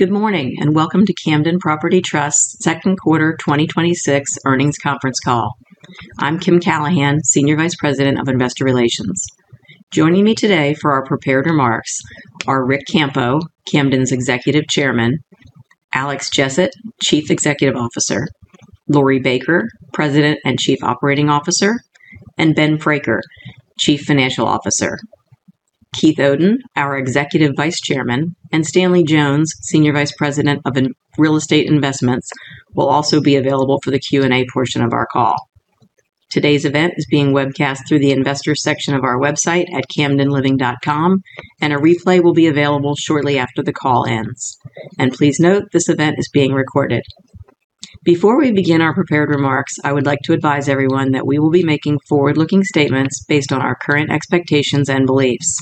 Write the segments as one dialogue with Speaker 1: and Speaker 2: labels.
Speaker 1: Good morning. Welcome to Camden Property Trust's second quarter 2026 earnings conference call. I'm Kim Callahan, Senior Vice President of Investor Relations. Joining me today for our prepared remarks are Ric Campo, Camden's Executive Chairman, Alex Jessett, Chief Executive Officer, Laurie Baker, President and Chief Operating Officer, and Ben Fraker, Chief Financial Officer. Keith Oden, our Executive Vice Chairman, and Stanley Jones, Senior Vice President of Real Estate Investments, will also be available for the Q&A portion of our call. Today's event is being webcast through the Investors section of our website at camdenliving.com, and a replay will be available shortly after the call ends. Please note, this event is being recorded. Before we begin our prepared remarks, I would like to advise everyone that we will be making forward-looking statements based on our current expectations and beliefs.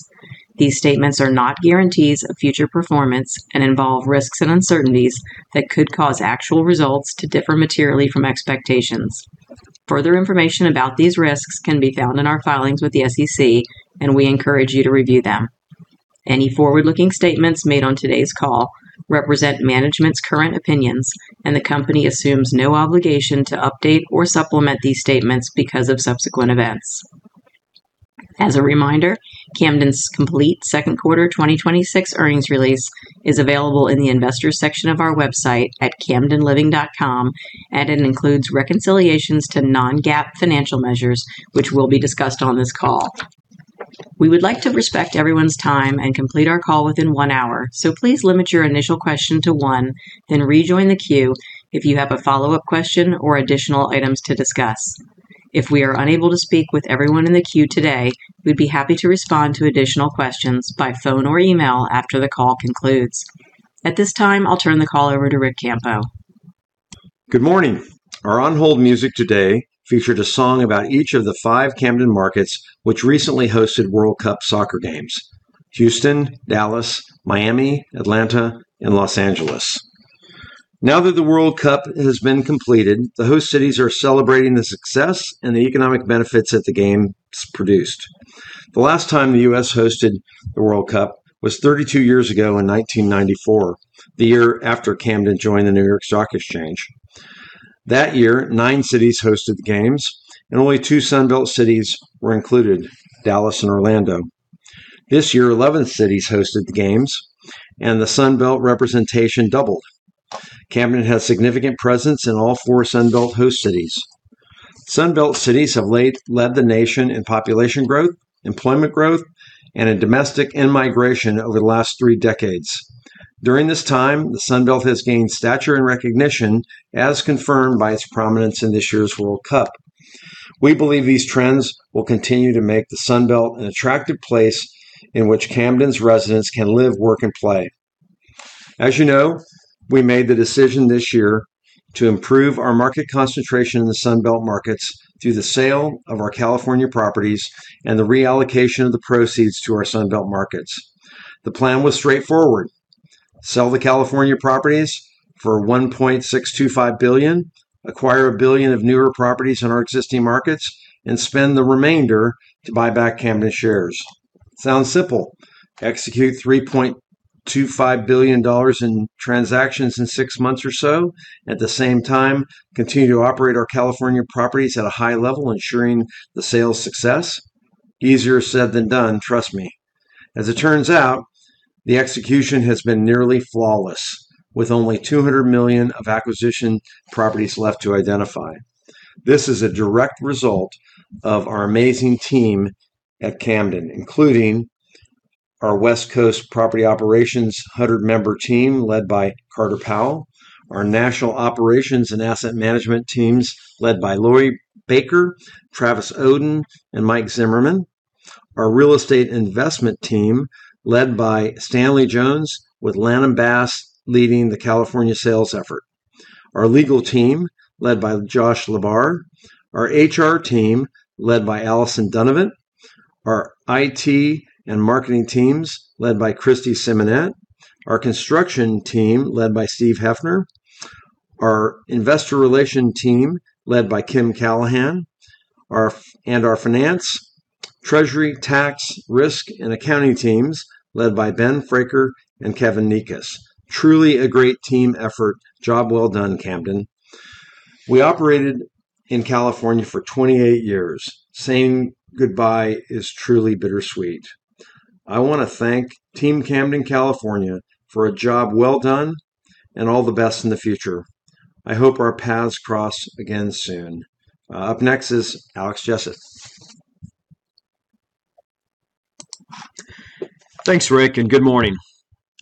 Speaker 1: These statements are not guarantees of future performance and involve risks and uncertainties that could cause actual results to differ materially from expectations. Further information about these risks can be found in our filings with the SEC. We encourage you to review them. Any forward-looking statements made on today's call represent management's current opinions, and the company assumes no obligation to update or supplement these statements because of subsequent events. As a reminder, Camden's complete second quarter 2026 earnings release is available in the investors section of our website at camdenliving.com, and it includes reconciliations to non-GAAP financial measures, which will be discussed on this call. We would like to respect everyone's time and complete our call within one hour. Please limit your initial question to one, rejoin the queue if you have a follow-up question or additional items to discuss. If we are unable to speak with everyone in the queue today, we'd be happy to respond to additional questions by phone or email after the call concludes. At this time, I'll turn the call over to Ric Campo.
Speaker 2: Good morning. Our on-hold music today featured a song about each of the five Camden markets, which recently hosted World Cup soccer games: Houston, Dallas, Miami, Atlanta, and Los Angeles. Now that the World Cup has been completed, the host cities are celebrating the success and the economic benefits that the games produced. The last time the U.S. hosted the World Cup was 32 years ago in 1994, the year after Camden joined the New York Stock Exchange. That year, nine cities hosted the games. Only two Sun Belt cities were included, Dallas and Orlando. This year, 11 cities hosted the games. The Sun Belt representation doubled. Camden has significant presence in all four Sun Belt host cities. Sun Belt cities have led the nation in population growth, employment growth, in domestic in-migration over the last three decades. During this time, the Sun Belt has gained stature and recognition, as confirmed by its prominence in this year's World Cup. We believe these trends will continue to make the Sun Belt an attractive place in which Camden's residents can live, work, and play. As you know, we made the decision this year to improve our market concentration in the Sun Belt markets through the sale of our California properties and the reallocation of the proceeds to our Sun Belt markets. The plan was straightforward: sell the California properties for $1.625 billion, acquire $1 billion of newer properties in our existing markets, and spend the remainder to buy back Camden shares. Sounds simple. Execute $3.25 billion in transactions in six months or so. At the same time, continue to operate our California properties at a high level, ensuring the sales success. Easier said than done, trust me. As it turns out, the execution has been nearly flawless. With only $200 million of acquisition properties left to identify. This is a direct result of our amazing team at Camden, including our West Coast Property Operations 100-member team led by Carter Powell; our national operations and asset management teams led by Laurie Baker, Travis Oden, and Mike Zimmerman; our real estate investment team led by Stanley Jones, with Lanham Bass leading the California sales effort; our legal team led by Josh Lebar; our HR team led by Allison Dunavant; our IT and marketing teams led by Kristy Simonette; our construction team led by Steve Hefner; our investor relation team led by Kim Callahan; and our finance, treasury, tax, risk, and accounting teams led by Ben Fraker and Kevin Necas. Truly a great team effort. Job well done, Camden. We operated in California for 28 years. Saying goodbye is truly bittersweet. I want to thank Team Camden, California for a job well done and all the best in the future. I hope our paths cross again soon. Up next is Alex Jessett.
Speaker 3: Thanks, Ric, good morning.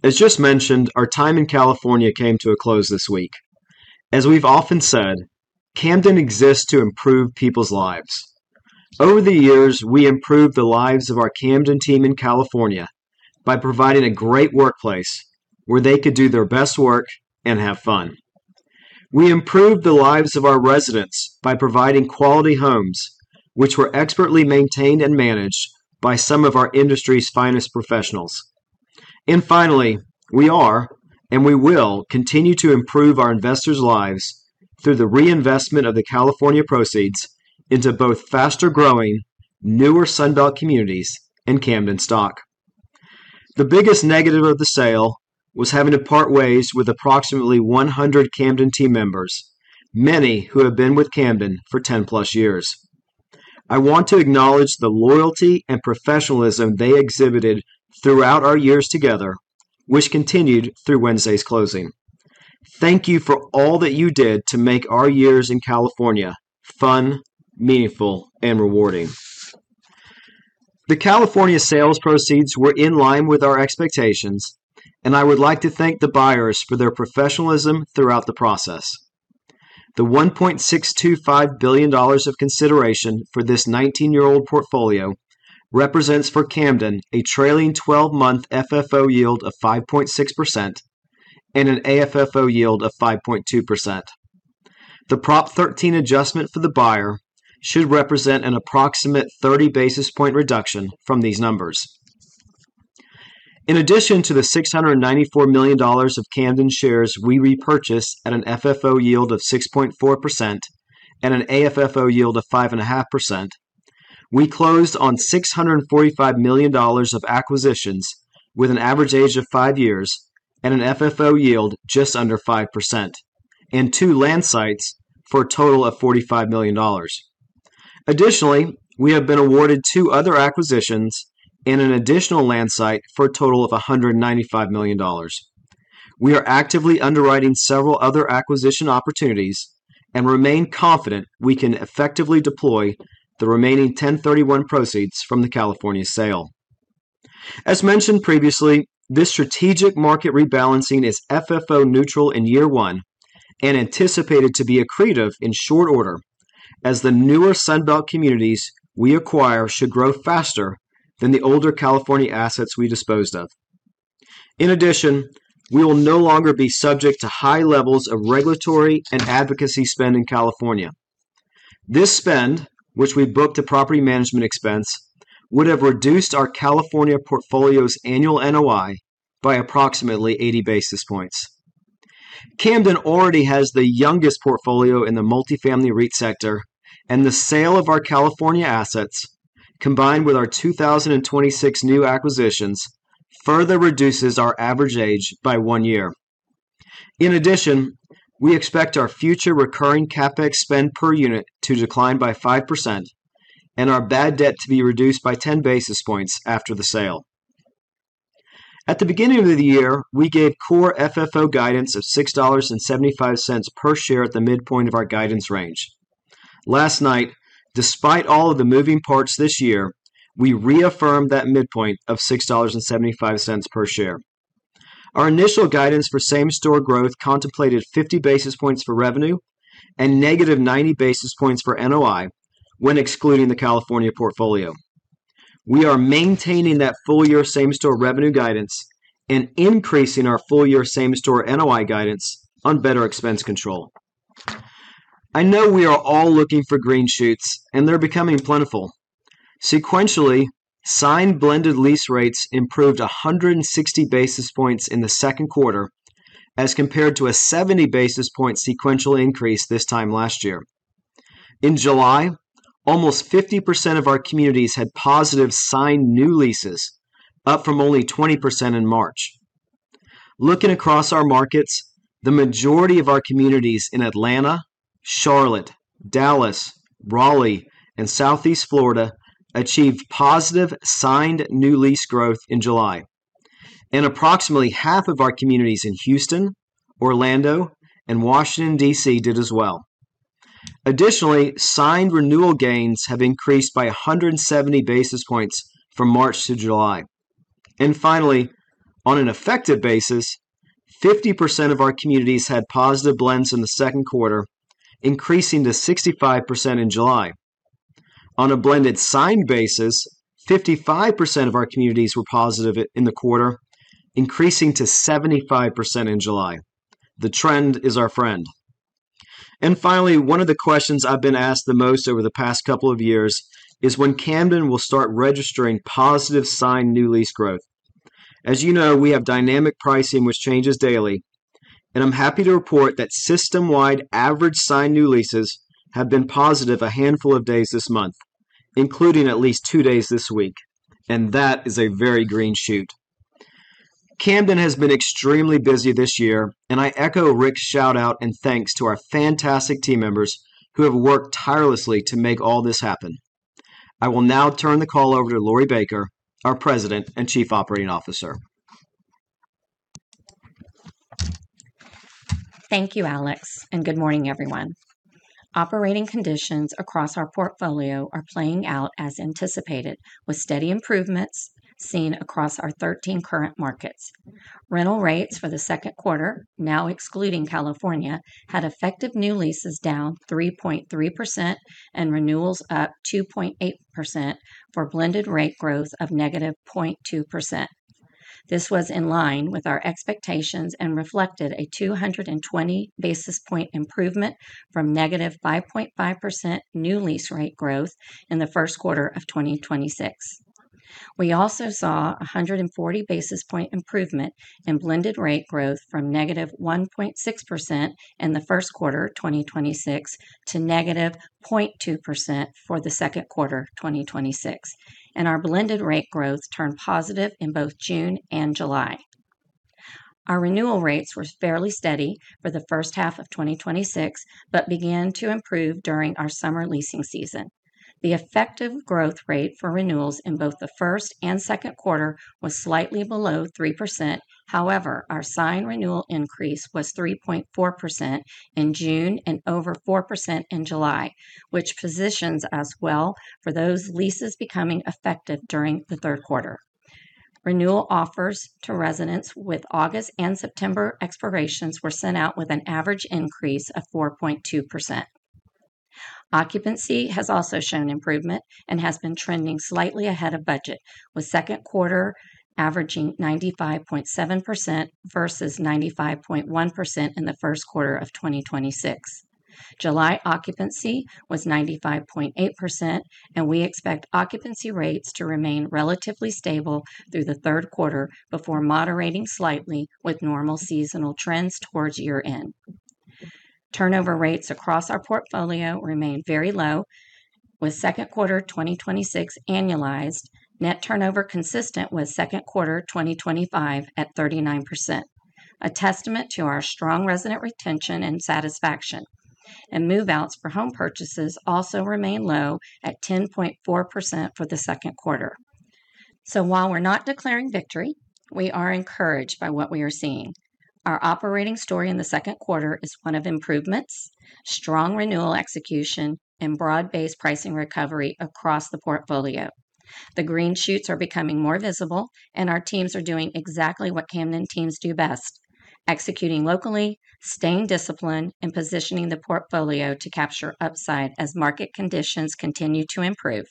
Speaker 3: As just mentioned, our time in California came to a close this week. As we've often said, Camden exists to improve people's lives. Over the years, we improved the lives of our Camden team in California by providing a great workplace where they could do their best work and have fun. We improved the lives of our residents by providing quality homes, which were expertly maintained and managed by some of our industry's finest professionals. Finally, we are, and we will continue to improve our investors' lives Through the reinvestment of the California proceeds into both faster-growing, newer Sun Belt communities and Camden stock. The biggest negative of the sale was having to part ways with approximately 100 Camden team members, many who have been with Camden for 10+ years. I want to acknowledge the loyalty and professionalism they exhibited throughout our years together, which continued through Wednesday's closing. Thank you for all that you did to make our years in California fun, meaningful, and rewarding. The California sales proceeds were in line with our expectations, and I would like to thank the buyers for their professionalism throughout the process. The $1.625 billion of consideration for this 19-year-old portfolio represents, for Camden, a trailing 12-month FFO yield of 5.6% and an AFFO yield of 5.2%. The Prop 13 adjustment for the buyer should represent an approximate 30 basis point reduction from these numbers. In addition to the $694 million of Camden shares we repurchased at an FFO yield of 6.4% and an AFFO yield of 5.5%, we closed on $645 million of acquisitions with an average age of five years and an FFO yield just under 5%, and two land sites for a total of $45 million. Additionally, we have been awarded two other acquisitions and an additional land site for a total of $195 million. We are actively underwriting several other acquisition opportunities and remain confident we can effectively deploy the remaining 1031 proceeds from the California sale. As mentioned previously, this strategic market rebalancing is FFO neutral in year one and anticipated to be accretive in short order as the newer Sun Belt communities we acquire should grow faster than the older California assets we disposed of. In addition, we will no longer be subject to high levels of regulatory and advocacy spend in California. This spend, which we booked a property management expense, would have reduced our California portfolio's annual NOI by approximately 80 basis points. Camden already has the youngest portfolio in the multifamily REIT sector, and the sale of our California assets, combined with our 2026 new acquisitions, further reduces our average age by one year. In addition, we expect our future recurring CapEx spend per unit to decline by 5% and our bad debt to be reduced by 10 basis points after the sale. At the beginning of the year, we gave Core FFO guidance of $6.75 per share at the midpoint of our guidance range. Last night, despite all of the moving parts this year, we reaffirmed that midpoint of $6.75 per share. Our initial guidance for same-store growth contemplated 50 basis points for revenue and negative 90 basis points for NOI when excluding the California portfolio. We are maintaining that full-year same-store revenue guidance and increasing our full-year same-store NOI guidance on better expense control. I know we are all looking for green shoots, and they're becoming plentiful. Sequentially, signed blended lease rates improved 160 basis points in the second quarter as compared to a 70 basis point sequential increase this time last year. In July, almost 50% of our communities had positive signed new leases, up from only 20% in March. Approximately half of our communities in Houston, Orlando, and Washington, D.C., did as well. Additionally, signed renewal gains have increased by 170 basis points from March to July. Finally, on an effective basis, 50% of our communities had positive blends in the second quarter, increasing to 65% in July. On a blended signed basis, 55% of our communities were positive in the quarter, increasing to 75% in July. The trend is our friend. Finally, one of the questions I've been asked the most over the past couple of years is when Camden will start registering positive signed new lease growth. As you know, we have dynamic pricing, which changes daily, and I'm happy to report that system-wide average signed new leases have been positive a handful of days this month, including at least two days this week, and that is a very green shoot. Camden has been extremely busy this year, and I echo Ric's shout-out and thanks to our fantastic team members who have worked tirelessly to make all this happen. I will now turn the call over to Laurie Baker, our President and Chief Operating Officer.
Speaker 4: Thank you, Alex, and good morning, everyone. Operating conditions across our portfolio are playing out as anticipated, with steady improvements seen across our 13 current markets. Rental rates for the second quarter, now excluding California, had effective new leases down 3.3% and renewals up 2.8% for blended rate growth of negative 0.2%. This was in line with our expectations and reflected a 220 basis point improvement from negative 5.5% new lease rate growth in the first quarter of 2026. We also saw 140 basis point improvement in blended rate growth from negative 1.6% in the first quarter 2026 to negative 0.2% for the second quarter 2026, and our blended rate growth turned positive in both June and July. Our renewal rates were fairly steady for the first half of 2026, began to improve during our summer leasing season. The effective growth rate for renewals in both the first and second quarter was slightly below 3%. However, our sign renewal increase was 3.4% in June and over 4% in July, which positions us well for those leases becoming effective during the third quarter. Renewal offers to residents with August and September expirations were sent out with an average increase of 4.2%. Occupancy has also shown improvement and has been trending slightly ahead of budget, with second quarter averaging 95.7% versus 95.1% in the first quarter of 2026. July occupancy was 95.8%, and we expect occupancy rates to remain relatively stable through the third quarter before moderating slightly with normal seasonal trends towards year-end. Turnover rates across our portfolio remained very low, with second quarter 2026 annualized net turnover consistent with second quarter 2025 at 39%, a testament to our strong resident retention and satisfaction. Move-outs for home purchases also remain low at 10.4% for the second quarter. While we're not declaring victory, we are encouraged by what we are seeing. Our operating story in the second quarter is one of improvements, strong renewal execution, and broad-based pricing recovery across the portfolio. The green shoots are becoming more visible, and our teams are doing exactly what Camden teams do best, executing locally, staying disciplined, and positioning the portfolio to capture upside as market conditions continue to improve.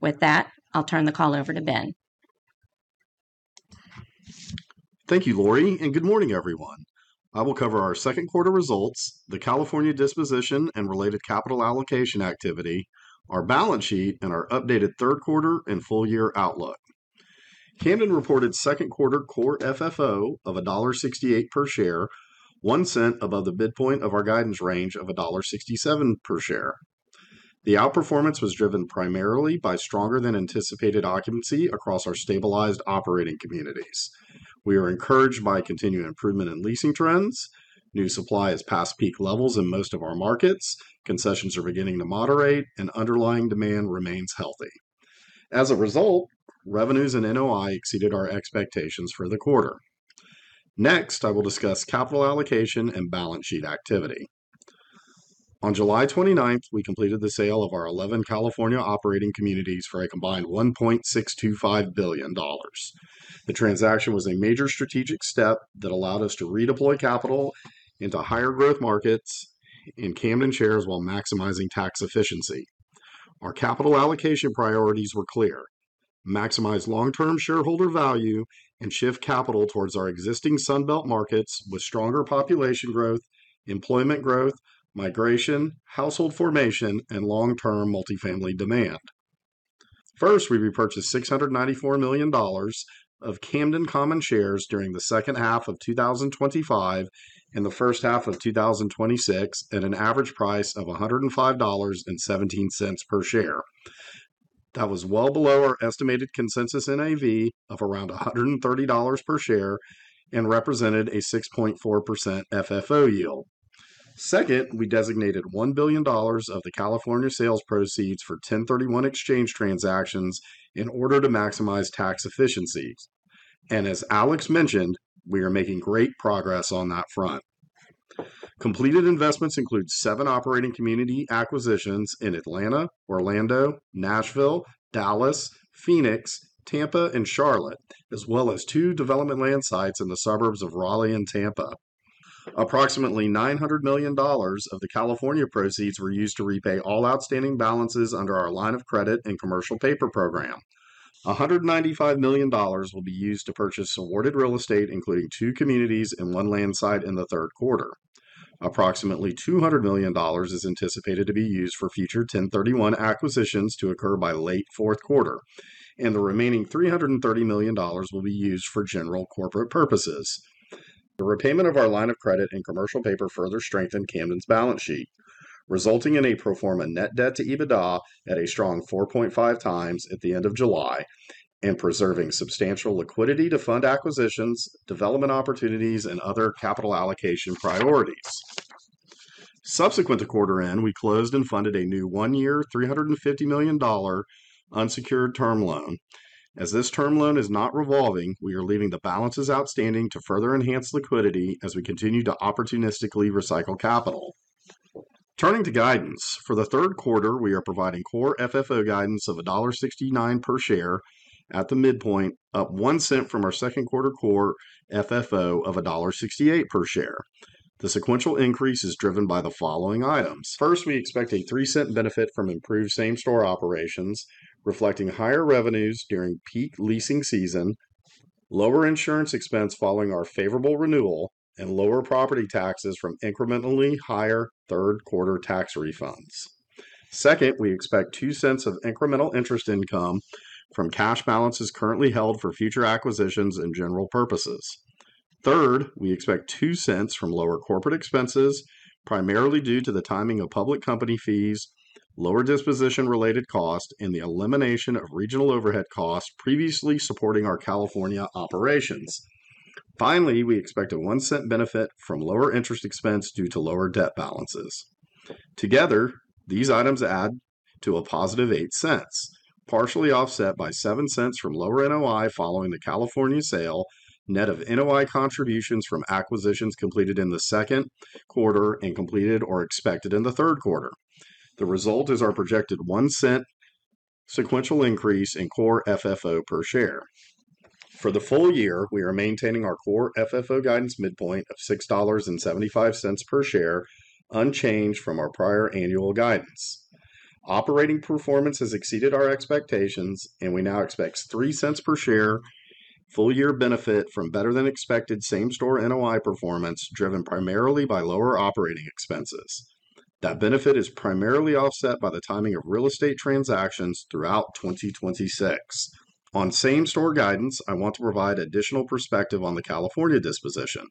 Speaker 4: With that, I'll turn the call over to Ben.
Speaker 5: Thank you, Laurie, and good morning, everyone. I will cover our second quarter results, the California disposition and related capital allocation activity, our balance sheet, and our updated third quarter and full year outlook. Camden reported second quarter Core FFO of $1.68 per share, $0.01 above the midpoint of our guidance range of $1.67 per share. The outperformance was driven primarily by stronger than anticipated occupancy across our stabilized operating communities. We are encouraged by continued improvement in leasing trends. New supply is past peak levels in most of our markets. Concessions are beginning to moderate. Underlying demand remains healthy. As a result, revenues and NOI exceeded our expectations for the quarter. Next, I will discuss capital allocation and balance sheet activity. On July 29th, we completed the sale of our 11 California operating communities for a combined $1.625 billion. The transaction was a major strategic step that allowed us to redeploy capital into higher growth markets and Camden shares while maximizing tax efficiency. Our capital allocation priorities were clear, maximize long-term shareholder value and shift capital towards our existing Sun Belt markets with stronger population growth, employment growth, migration, household formation, and long-term multifamily demand. First, we repurchased $694 million of Camden common shares during the second half of 2025 and the first half of 2026 at an average price of $105.17 per share. That was well below our estimated consensus NAV of around $130 per share and represented a 6.4% FFO yield. Second, we designated $1 billion of the California sales proceeds for 1031 exchange transactions in order to maximize tax efficiency. As Alex mentioned, we are making great progress on that front. Completed investments include seven operating community acquisitions in Atlanta, Orlando, Nashville, Dallas, Phoenix, Tampa, and Charlotte, as well as two development land sites in the suburbs of Raleigh and Tampa. Approximately $900 million of the California proceeds were used to repay all outstanding balances under our line of credit and commercial paper program. $195 million will be used to purchase awarded real estate, including two communities and one land site in the third quarter. Approximately $200 million is anticipated to be used for future 1031 acquisitions to occur by late fourth quarter, and the remaining $330 million will be used for general corporate purposes. The repayment of our line of credit and commercial paper further strengthened Camden's balance sheet, resulting in a pro forma net debt to EBITDA at a strong 4.5x at the end of July, and preserving substantial liquidity to fund acquisitions, development opportunities, and other capital allocation priorities. Subsequent to quarter end, we closed and funded a new one-year, $350 million unsecured term loan. As this term loan is not revolving, we are leaving the balances outstanding to further enhance liquidity as we continue to opportunistically recycle capital. Turning to guidance. For the third quarter, we are providing Core FFO guidance of $1.69 per share at the midpoint, up $0.01 from our second quarter Core FFO of $1.68 per share. The sequential increase is driven by the following items. First, we expect a $0.03 benefit from improved same-store operations, reflecting higher revenues during peak leasing season. Lower insurance expense following our favorable renewal and lower property taxes from incrementally higher third quarter tax refunds. Second, we expect $0.02 of incremental interest income from cash balances currently held for future acquisitions and general purposes. Third, we expect $0.02 from lower corporate expenses, primarily due to the timing of public company fees, lower disposition related cost, and the elimination of regional overhead costs previously supporting our California operations. Finally, we expect a $0.01 benefit from lower interest expense due to lower debt balances. Together, these items add to a $+0.08, partially offset by $0.07 from lower NOI following the California sale, net of NOI contributions from acquisitions completed in the second quarter and completed or expected in the third quarter. The result is our projected $0.01 sequential increase in Core FFO per share. For the full year, we are maintaining our Core FFO guidance midpoint of $6.75 per share, unchanged from our prior annual guidance. Operating performance has exceeded our expectations, and we now expect $0.03 per share full year benefit from better than expected same-store NOI performance, driven primarily by lower operating expenses. That benefit is primarily offset by the timing of real estate transactions throughout 2026. On same-store guidance, I want to provide additional perspective on the California disposition.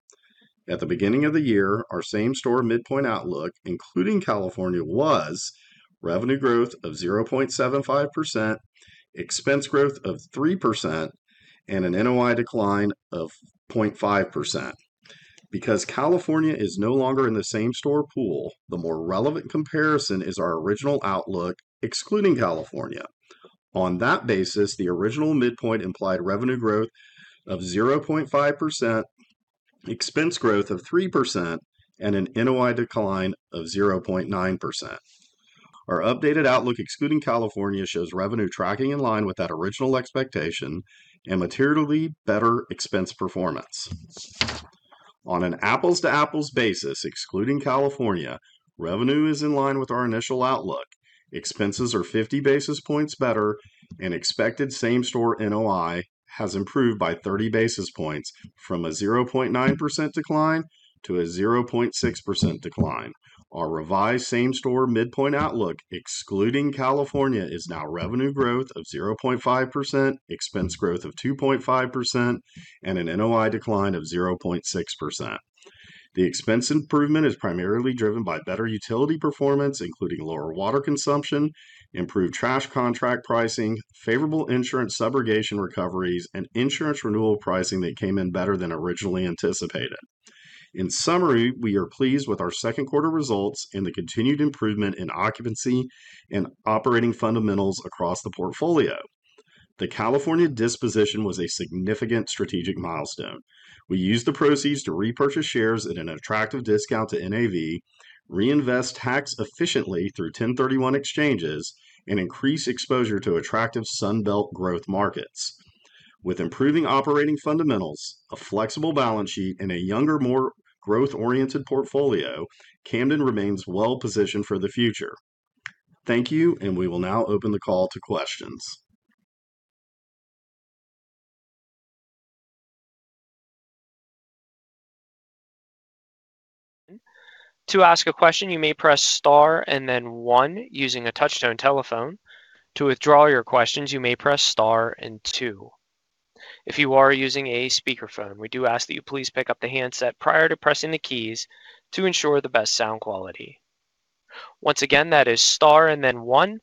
Speaker 5: At the beginning of the year, our same-store midpoint outlook, including California, was revenue growth of 0.75%, expense growth of 3%, and an NOI decline of 0.5%. Because California is no longer in the same-store pool, the more relevant comparison is our original outlook, excluding California. On that basis, the original midpoint implied revenue growth of 0.5%, expense growth of 3%, and an NOI decline of 0.9%. Our updated outlook, excluding California, shows revenue tracking in line with that original expectation and materially better expense performance. On an apples-to-apples basis, excluding California, revenue is in line with our initial outlook, expenses are 50 basis points better, and expected same-store NOI has improved by 30 basis points from a 0.9% decline to a 0.6% decline. Our revised same-store midpoint outlook, excluding California, is now revenue growth of 0.5%, expense growth of 2.5%, and an NOI decline of 0.6%. The expense improvement is primarily driven by better utility performance, including lower water consumption, improved trash contract pricing, favorable insurance subrogation recoveries, and insurance renewal pricing that came in better than originally anticipated. In summary, we are pleased with our second quarter results and the continued improvement in occupancy and operating fundamentals across the portfolio. The California disposition was a significant strategic milestone. We used the proceeds to repurchase shares at an attractive discount to NAV, reinvest tax efficiently through 1031 exchanges, and increase exposure to attractive Sun Belt growth markets. With improving operating fundamentals, a flexible balance sheet, and a younger, more growth-oriented portfolio, Camden remains well-positioned for the future. Thank you. We will now open the call to questions.
Speaker 6: To ask a question, you may press star and then one using a touchtone telephone. To withdraw your questions, you may press star and two. If you are using a speakerphone, we do ask that you please pick up the handset prior to pressing the keys to ensure the best sound quality. Once again, that is star and then one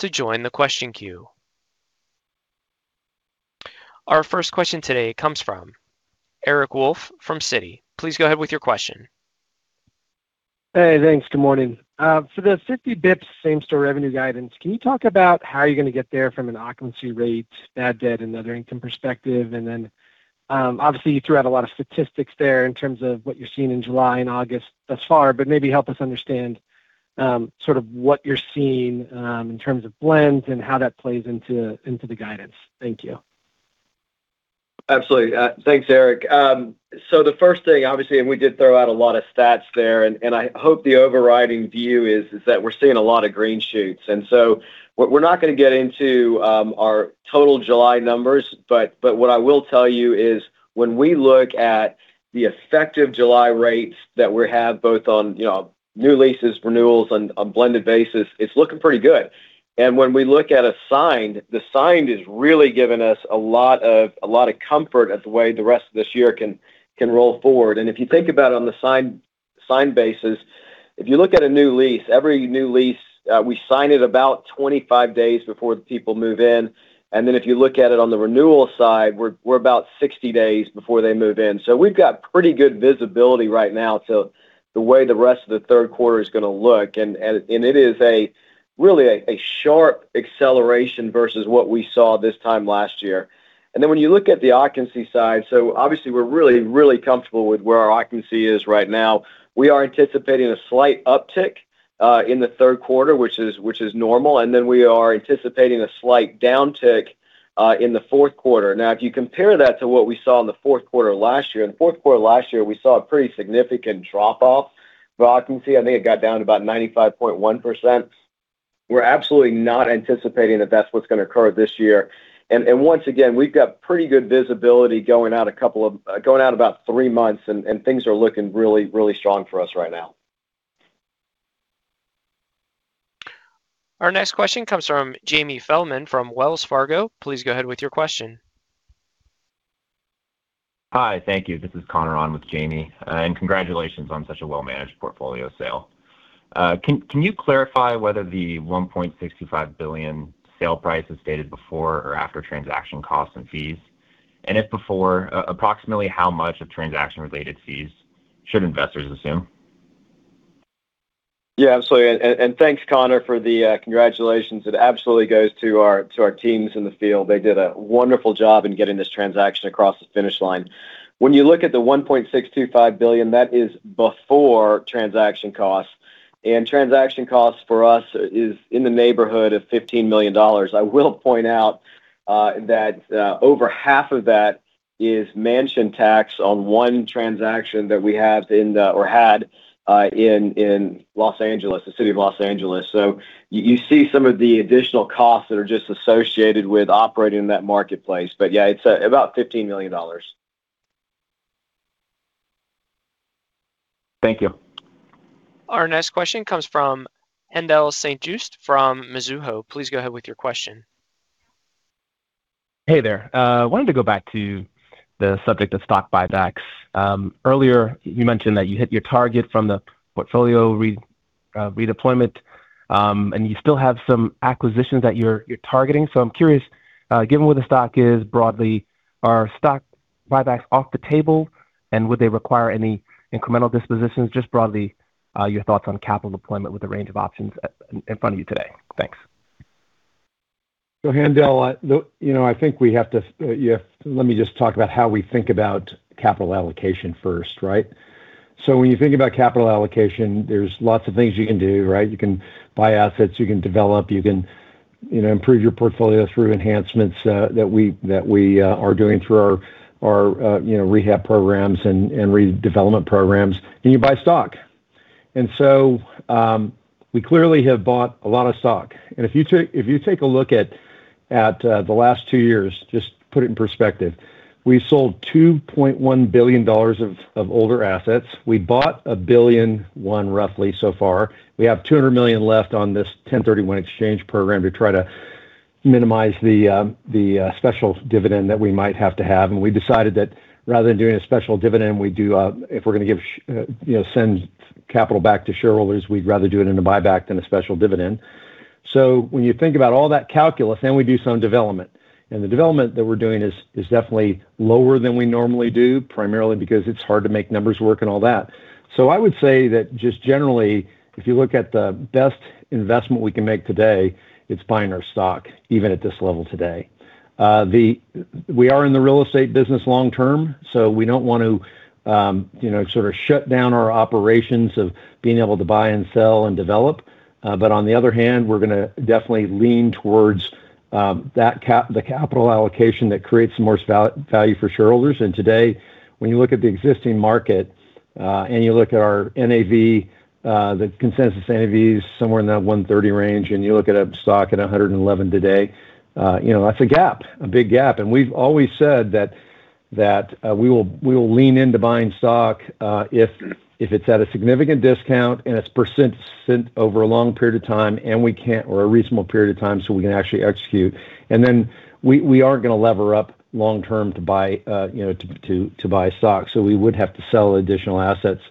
Speaker 6: to join the question queue. Our first question today comes from Eric Wolfe from Citi. Please go ahead with your question.
Speaker 7: Hey, thanks. Good morning. For the 50 basis points same-store revenue guidance, can you talk about how you're going to get there from an occupancy rate, bad debt, and other income perspective? Obviously, you threw out a lot of statistics there in terms of what you're seeing in July and August thus far, but maybe help us understand sort of what you're seeing in terms of blends and how that plays into the guidance. Thank you.
Speaker 3: Absolutely. Thanks, Eric. The first thing, obviously, we did throw out a lot of stats there, and I hope the overriding view is that we're seeing a lot of green shoots. We're not going to get into our total July numbers. What I will tell you is when we look at the effective July rates that we have both on new leases, renewals, on a blended basis, it's looking pretty good. When we look at assigned, the signed is really giving us a lot of comfort at the way the rest of this year can roll forward. If you think about it on the signed basis, if you look at a new lease, every new lease, we sign it about 25 days before the people move in. If you look at it on the renewal side, we're about 60 days before they move in. We've got pretty good visibility right now to the way the rest of the third quarter is going to look. It is really a sharp acceleration versus what we saw this time last year. When you look at the occupancy side, obviously, we're really, really comfortable with where our occupancy is right now. We are anticipating a slight uptick in the third quarter, which is normal. We are anticipating a slight downtick in the fourth quarter. If you compare that to what we saw in the fourth quarter last year, in the fourth quarter last year, we saw a pretty significant drop-off for occupancy. I think it got down to about 95.1%. We're absolutely not anticipating that that's what's going to occur this year. Once again, we've got pretty good visibility going out about three months, and things are looking really strong for us right now.
Speaker 6: Our next question comes from Jamie Feldman from Wells Fargo. Please go ahead with your question.
Speaker 8: Hi, thank you. This is Connor on with Jamie, Congratulations on such a well-managed portfolio sale. Can you clarify whether the $1.625 billion sale price is stated before or after transaction costs and fees? If before, approximately how much of transaction-related fees should investors assume?
Speaker 3: Yeah, absolutely. Thanks, Connor, for the congratulations. It absolutely goes to our teams in the field. They did a wonderful job in getting this transaction across the finish line. When you look at the $1.625 billion, that is before transaction costs. Transaction costs for us is in the neighborhood of $15 million. I will point out that over half of that is Measure ULA on one transaction that we had in Los Angeles, the city of Los Angeles. You see some of the additional costs that are just associated with operating in that marketplace. Yeah, it's about $15 million.
Speaker 8: Thank you.
Speaker 6: Our next question comes from Haendel St. Juste from Mizuho. Please go ahead with your question.
Speaker 9: Hey there. Wanted to go back to the subject of stock buybacks. Earlier, you mentioned that you hit your target from the portfolio redeployment, and you still have some acquisitions that you're targeting. I'm curious, given where the stock is broadly, are stock buybacks off the table, and would they require any incremental dispositions? Just broadly, your thoughts on capital deployment with a range of options in front of you today. Thanks.
Speaker 2: Haendel, let me just talk about how we think about capital allocation first, right? When you think about capital allocation, there's lots of things you can do, right? You can buy assets, you can develop, you can improve your portfolio through enhancements that we are doing through our rehab programs and redevelopment programs, and you buy stock. We clearly have bought a lot of stock. If you take a look at the last two years, just put it in perspective, we sold $2.1 billion of older assets. We bought a billion and one roughly so far. We have $200 million left on this 1031 exchange program to try to minimize the special dividend that we might have to have. We decided that rather than doing a special dividend, if we're going to send capital back to shareholders, we'd rather do it in a buyback than a special dividend. When you think about all that calculus, then we do some development, and the development that we're doing is definitely lower than we normally do, primarily because it's hard to make numbers work and all that. I would say that just generally, if you look at the best investment we can make today, it's buying our stock, even at this level today. We are in the real estate business long term, so we don't want to sort of shut down our operations of being able to buy and sell and develop. On the other hand, we're going to definitely lean towards the capital allocation that creates the most value for shareholders. Today, when you look at the existing market, and you look at our NAV, the consensus NAV is somewhere in that $130 range, and you look at a stock at $111 today. That's a gap, a big gap. We've always said that we will lean into buying stock if it's at a significant discount and it's [percentage] over a long period of time, or a reasonable period of time, so we can actually execute. Then we aren't going to lever up long term to buy stock, so we would have to sell additional assets.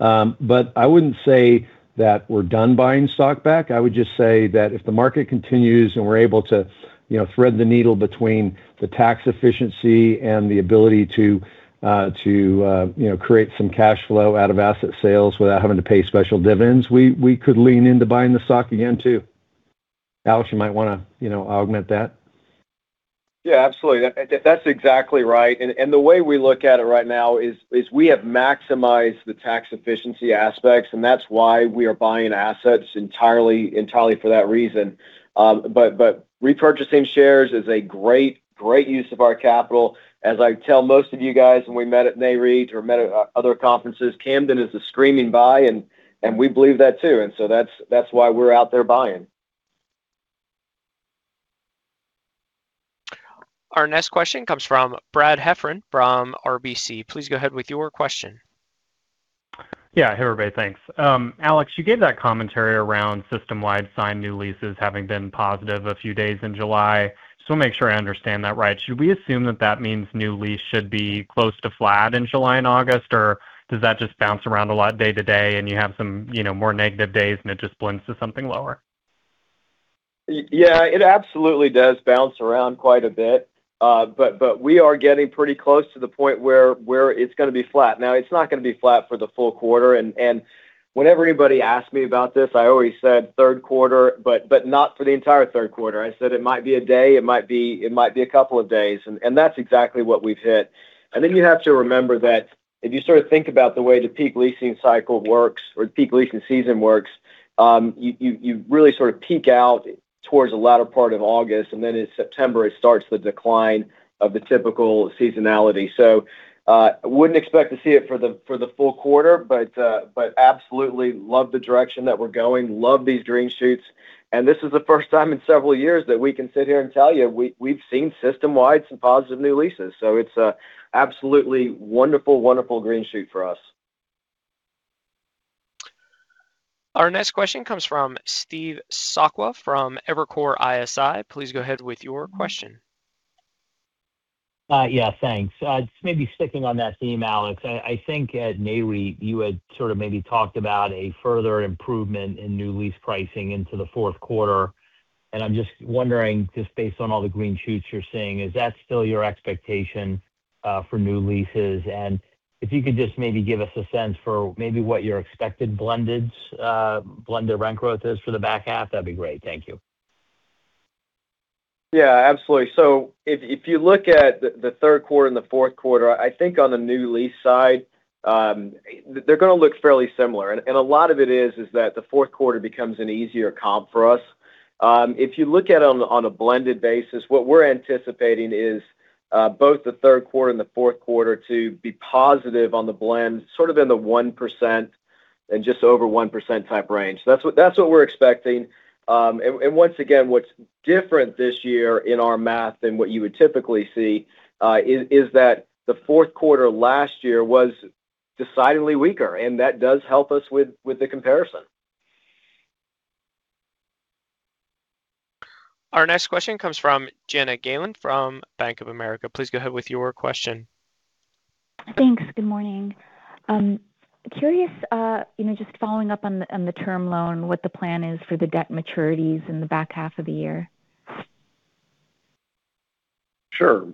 Speaker 2: I wouldn't say that we're done buying stock back. I would just say that if the market continues and we're able to thread the needle between the tax efficiency and the ability to create some cash flow out of asset sales without having to pay special dividends, we could lean into buying the stock again, too. Alex, you might want to augment that.
Speaker 3: Yeah, absolutely. That's exactly right. The way we look at it right now is we have maximized the tax efficiency aspects, and that's why we are buying assets entirely for that reason. Repurchasing shares is a great use of our capital. As I tell most of you guys when we met at Nareit or met at other conferences, Camden is a screaming buy and we believe that, too. That's why we're out there buying.
Speaker 6: Our next question comes from Brad Heffern from RBC. Please go ahead with your question.
Speaker 10: Yeah. Hey, everybody. Thanks. Alex, you gave that commentary around system-wide signed new leases having been positive a few days in July. Just want to make sure I understand that right. Should we assume that that means new lease should be close to flat in July and August, or does that just bounce around a lot day to day and you have some more negative days and it just blends to something lower?
Speaker 3: Yeah, it absolutely does bounce around quite a bit. We are getting pretty close to the point where it's going to be flat. It's not going to be flat for the full quarter. Whenever anybody asks me about this, I always said third quarter, but not for the entire third quarter. I said it might be a day, it might be a couple of days, and that's exactly what we've hit. I think you have to remember that if you sort of think about the way the peak leasing cycle works or peak leasing season works, you really sort of peak out In September, it starts the decline of the typical seasonality. Wouldn't expect to see it for the full quarter, but absolutely love the direction that we're going, love these green shoots. This is the first time in several years that we can sit here and tell you we've seen system-wide some positive new leases. It's a absolutely wonderful green shoot for us.
Speaker 6: Our next question comes from Steve Sakwa from Evercore ISI. Please go ahead with your question.
Speaker 11: Yeah, thanks. Just maybe sticking on that theme, Alex, I think at NAREIT you had sort of maybe talked about a further improvement in new lease pricing into the fourth quarter. I'm just wondering, just based on all the green shoots you're seeing, is that still your expectation for new leases? If you could just maybe give us a sense for maybe what your expected blended rent growth is for the back half, that'd be great. Thank you.
Speaker 3: Yeah, absolutely. If you look at the third quarter and the fourth quarter, I think on the new lease side, they're going to look fairly similar. A lot of it is that the fourth quarter becomes an easier comp for us. If you look at it on a blended basis, what we're anticipating is both the third quarter and the fourth quarter to be positive on the blend, sort of in the 1% and just over 1% type range. That's what we're expecting. Once again, what's different this year in our math than what you would typically see, is that the fourth quarter last year was decidedly weaker, that does help us with the comparison.
Speaker 6: Our next question comes from Jana Galan from Bank of America. Please go ahead with your question.
Speaker 12: Thanks. Good morning. Curious, just following up on the term loan, what the plan is for the debt maturities in the back half of the year?
Speaker 5: Sure.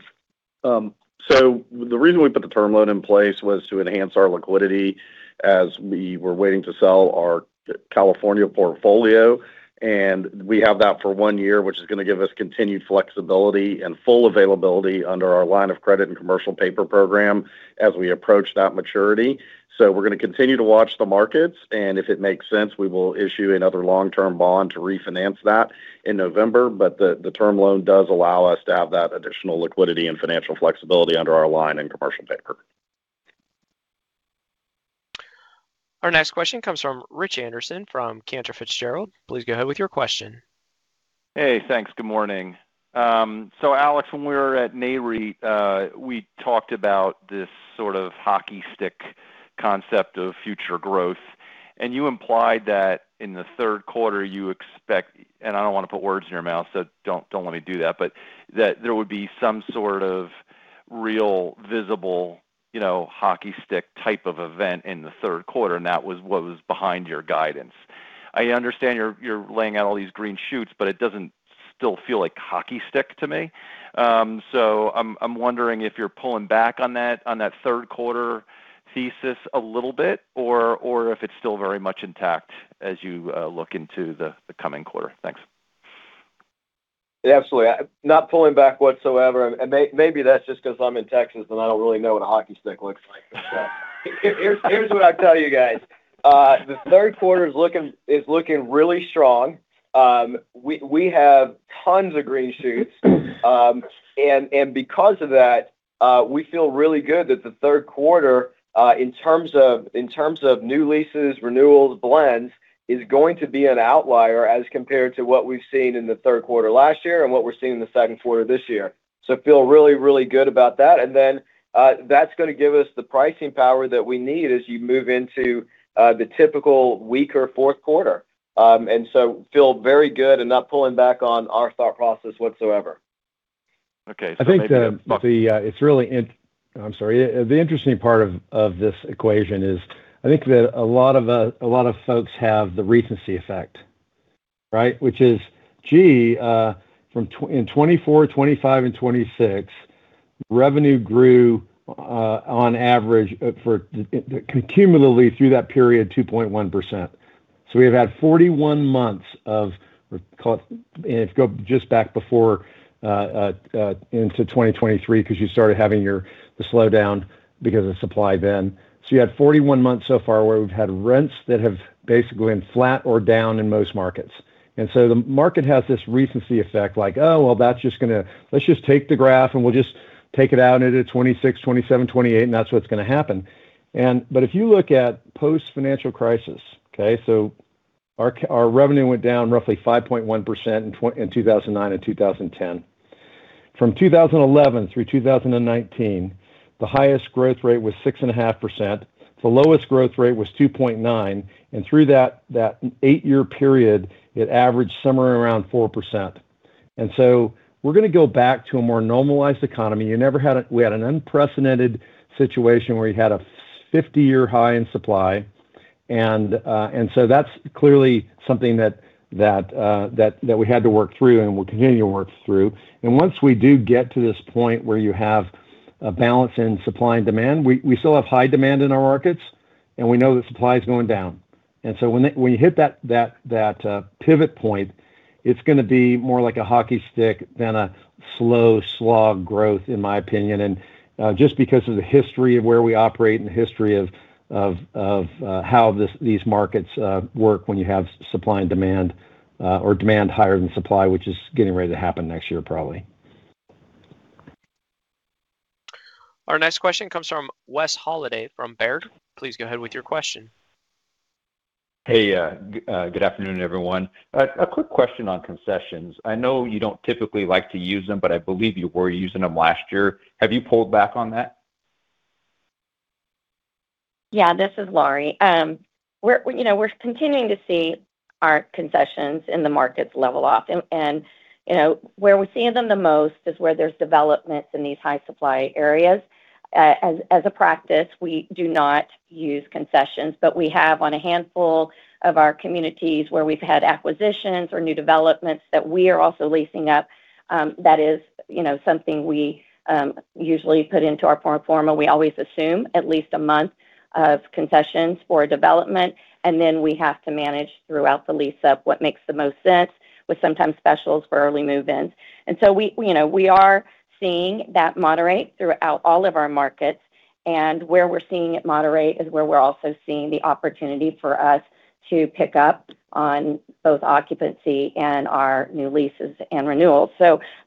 Speaker 5: The reason we put the term loan in place was to enhance our liquidity as we were waiting to sell our California portfolio. We have that for one year, which is going to give us continued flexibility and full availability under our line of credit and commercial paper program as we approach that maturity. We're going to continue to watch the markets, and if it makes sense, we will issue another long-term bond to refinance that in November. The term loan does allow us to have that additional liquidity and financial flexibility under our line in commercial paper.
Speaker 6: Our next question comes from Rich Anderson from Cantor Fitzgerald. Please go ahead with your question.
Speaker 13: Thanks. Good morning. Alex, when we were at Nareit, we talked about this sort of hockey stick concept of future growth, and you implied that in the third quarter you expect, and I don't want to put words in your mouth, so don't let me do that, but that there would be some sort of real visible hockey stick type of event in the third quarter, and that was what was behind your guidance. I understand you're laying out all these green shoots, but it doesn't still feel like hockey stick to me. I'm wondering if you're pulling back on that third quarter thesis a little bit or if it's still very much intact as you look into the coming quarter. Thanks.
Speaker 3: Absolutely. Not pulling back whatsoever. Maybe that's just because I'm in Texas and I don't really know what a hockey stick looks like. Here's what I tell you guys. The third quarter is looking really strong. We have tons of green shoots. Because of that, we feel really good that the third quarter, in terms of new leases, renewals, blends, is going to be an outlier as compared to what we've seen in the third quarter last year and what we're seeing in the second quarter this year. Feel really, really good about that. That's going to give us the pricing power that we need as you move into the typical weaker fourth quarter. Feel very good and not pulling back on our thought process whatsoever.
Speaker 13: Okay. Maybe the-
Speaker 2: I'm sorry. The interesting part of this equation is, I think that a lot of folks have the recency effect, right? Which is, gee, in 2024, 2025, and 2026, revenue grew on average, cumulatively through that period, 2.1%. We have had 41 months of, call it, and if you go just back before into 2023, because you started having the slowdown because of supply then. You had 41 months so far where we've had rents that have basically been flat or down in most markets. The market has this recency effect, like, "Oh, well, that's just going to Let's just take the graph, and we'll just take it out into 2026, 2027, 2028, and that's what's going to happen." If you look at post-financial crisis, okay. Our revenue went down roughly 5.1% in 2009 and 2010. From 2011 through 2019, the highest growth rate was 6.5%. The lowest growth rate was 2.9%. Through that eight-year period, it averaged somewhere around 4%. We're going to go back to a more normalized economy. We had an unprecedented situation where you had a 50-year high in supply. That's clearly something that we had to work through and we'll continue to work through. Once we do get to this point where you have a balance in supply and demand, we still have high demand in our markets, and we know that supply is going down. When you hit that pivot point, it's going to be more like a hockey stick than a slow slog growth, in my opinion. Just because of the history of where we operate and the history of how these markets work when you have supply and demand, or demand higher than supply, which is getting ready to happen next year probably.
Speaker 6: Our next question comes from Wes Golladay from Baird. Please go ahead with your question.
Speaker 14: Hey, good afternoon, everyone. A quick question on concessions. I know you don't typically like to use them, but I believe you were using them last year. Have you pulled back on that?
Speaker 4: Yeah, this is Laurie. We're continuing to see our concessions in the markets level off. Where we're seeing them the most is where there's developments in these high-supply areas. As a practice, we do not use concessions, but we have on a handful of our communities where we've had acquisitions or new developments that we are also leasing up. That is something we usually put into our pro forma. We always assume at least a month of concessions for a development, and then we have to manage throughout the lease up what makes the most sense, with sometimes specials for early move-ins. We are seeing that moderate throughout all of our markets. Where we're seeing it moderate is where we're also seeing the opportunity for us to pick up on both occupancy and our new leases and renewals.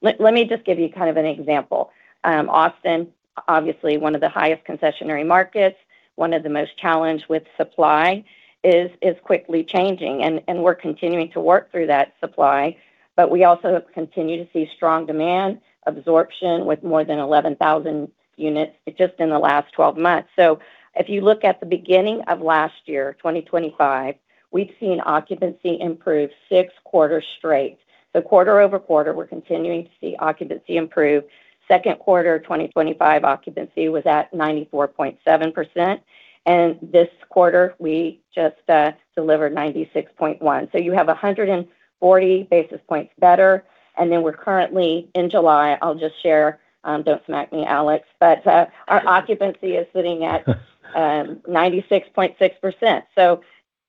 Speaker 4: Let me just give you an example. Austin, obviously one of the highest concessionary markets, one of the most challenged with supply, is quickly changing. We're continuing to work through that supply. We also continue to see strong demand, absorption with more than 11,000 units just in the last 12 months. If you look at the beginning of last year, 2025, we've seen occupancy improve six quarters straight. Quarter over quarter, we're continuing to see occupancy improve. Second quarter 2025 occupancy was at 94.7%, and this quarter we just delivered 96.1%. You have 140 basis points better. We're currently in July. I'll just share. Don't smack me, Alex. Our occupancy is sitting at 96.6%.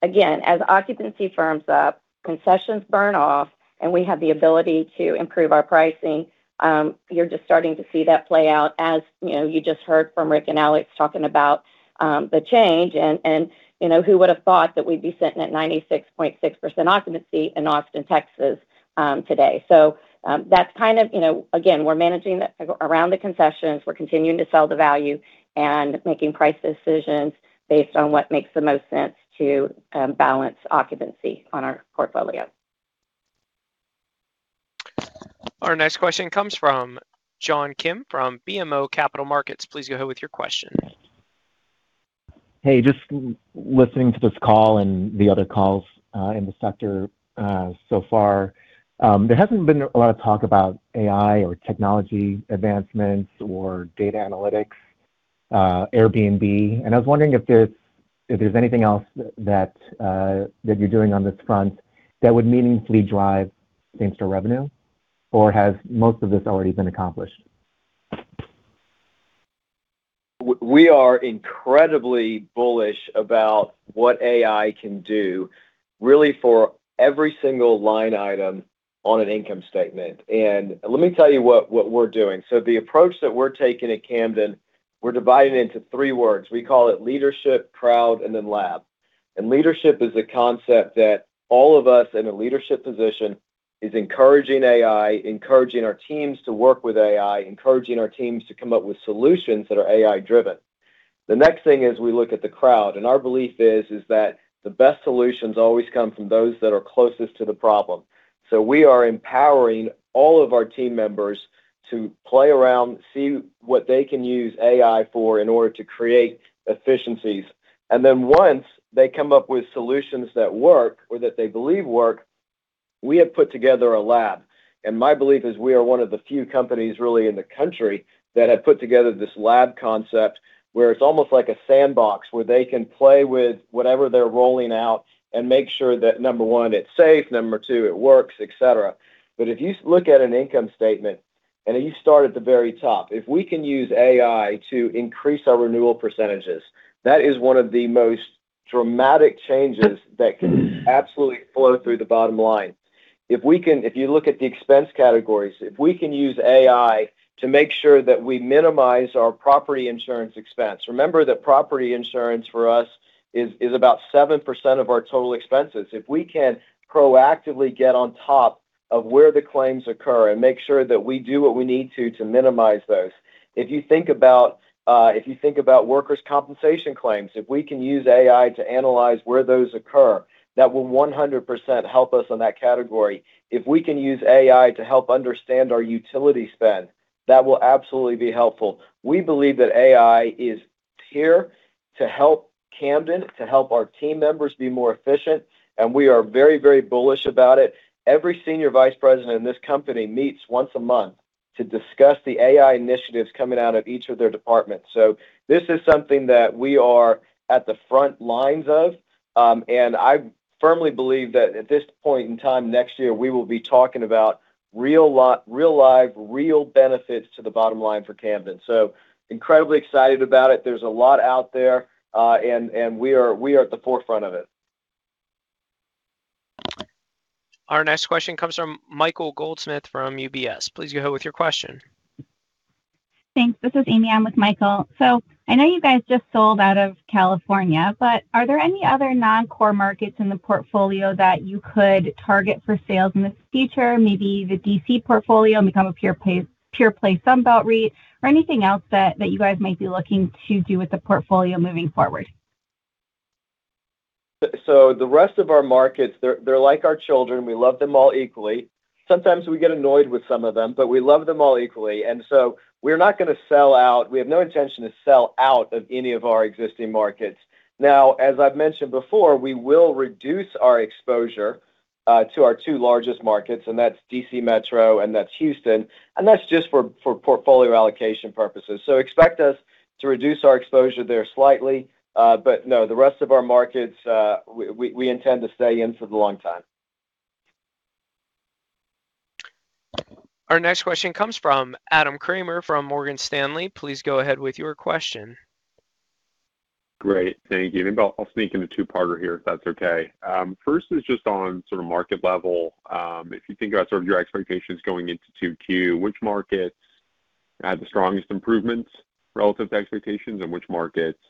Speaker 4: Again, as occupancy firms up, concessions burn off, and we have the ability to improve our pricing. You're just starting to see that play out. As you just heard from Ric and Alex talking about the change, who would have thought that we'd be sitting at 96.6% occupancy in Austin, Texas today. Again, we're managing around the concessions. We're continuing to sell the value and making price decisions based on what makes the most sense to balance occupancy on our portfolio.
Speaker 6: Our next question comes from John Kim from BMO Capital Markets. Please go ahead with your question.
Speaker 15: Hey, just listening to this call and the other calls in the sector so far, there hasn't been a lot of talk about AI or technology advancements or data analytics, Airbnb. I was wondering if there's anything else that you're doing on this front that would meaningfully drive same-store revenue, or has most of this already been accomplished?
Speaker 3: We are incredibly bullish about what AI can do, really for every single line item on an income statement. Let me tell you what we're doing. The approach that we're taking at Camden, we're dividing into three words. We call it leadership, crowd, then lab. Leadership is a concept that all of us in a leadership position is encouraging AI, encouraging our teams to work with AI, encouraging our teams to come up with solutions that are AI driven. The next thing is we look at the crowd. Our belief is that the best solutions always come from those that are closest to the problem. We are empowering all of our team members to play around, see what they can use AI for in order to create efficiencies. Once they come up with solutions that work or that they believe work, we have put together a lab. My belief is we are one of the few companies really in the country that have put together this lab concept, where it's almost like a sandbox where they can play with whatever they're rolling out and make sure that, number one, it's safe, number two, it works, et cetera. If you look at an income statement and you start at the very top, if we can use AI to increase our renewal percentages, that is one of the most dramatic changes that can absolutely flow through the bottom line. If you look at the expense categories, if we can use AI to make sure that we minimize our property insurance expense. Remember that property insurance for us is about 7% of our total expenses. If we can proactively get on top of where the claims occur and make sure that we do what we need to minimize those. If you think about workers' compensation claims, if we can use AI to analyze where those occur, that will 100% help us in that category. If we can use AI to help understand our utility spend, that will absolutely be helpful. We believe that AI is here to help Camden, to help our team members be more efficient. We are very bullish about it. Every Senior Vice President in this company meets once a month to discuss the AI initiatives coming out of each of their departments. This is something that we are at the front lines of. I firmly believe that at this point in time next year, we will be talking about real live, real benefits to the bottom line for Camden. Incredibly excited about it. There's a lot out there, and we are at the forefront of it.
Speaker 6: Our next question comes from Michael Goldsmith from UBS. Please go ahead with your question.
Speaker 16: Thanks. This is Ami. I'm with Michael. I know you guys just sold out of California, but are there any other non-core markets in the portfolio that you could target for sales in the future? Maybe the D.C. portfolio and become a pure play Sun Belt REIT or anything else that you guys might be looking to do with the portfolio moving forward?
Speaker 3: The rest of our markets, they're like our children. We love them all equally. Sometimes we get annoyed with some of them, but we love them all equally, and so we're not going to sell out. We have no intention to sell out of any of our existing markets. Now, as I've mentioned before, we will reduce our exposure to our two largest markets, and that's D.C. Metro and that's Houston, and that's just for portfolio allocation purposes. Expect us to reduce our exposure there slightly. No, the rest of our markets, we intend to stay in for the long time.
Speaker 6: Our next question comes from Adam Kramer from Morgan Stanley. Please go ahead with your question.
Speaker 17: Great. Thank you. Maybe I'll sneak in a two-parter here, if that's okay. First is just on sort of market level. If you think about sort of your expectations going into 2Q, which markets had the strongest improvements relative to expectations and which markets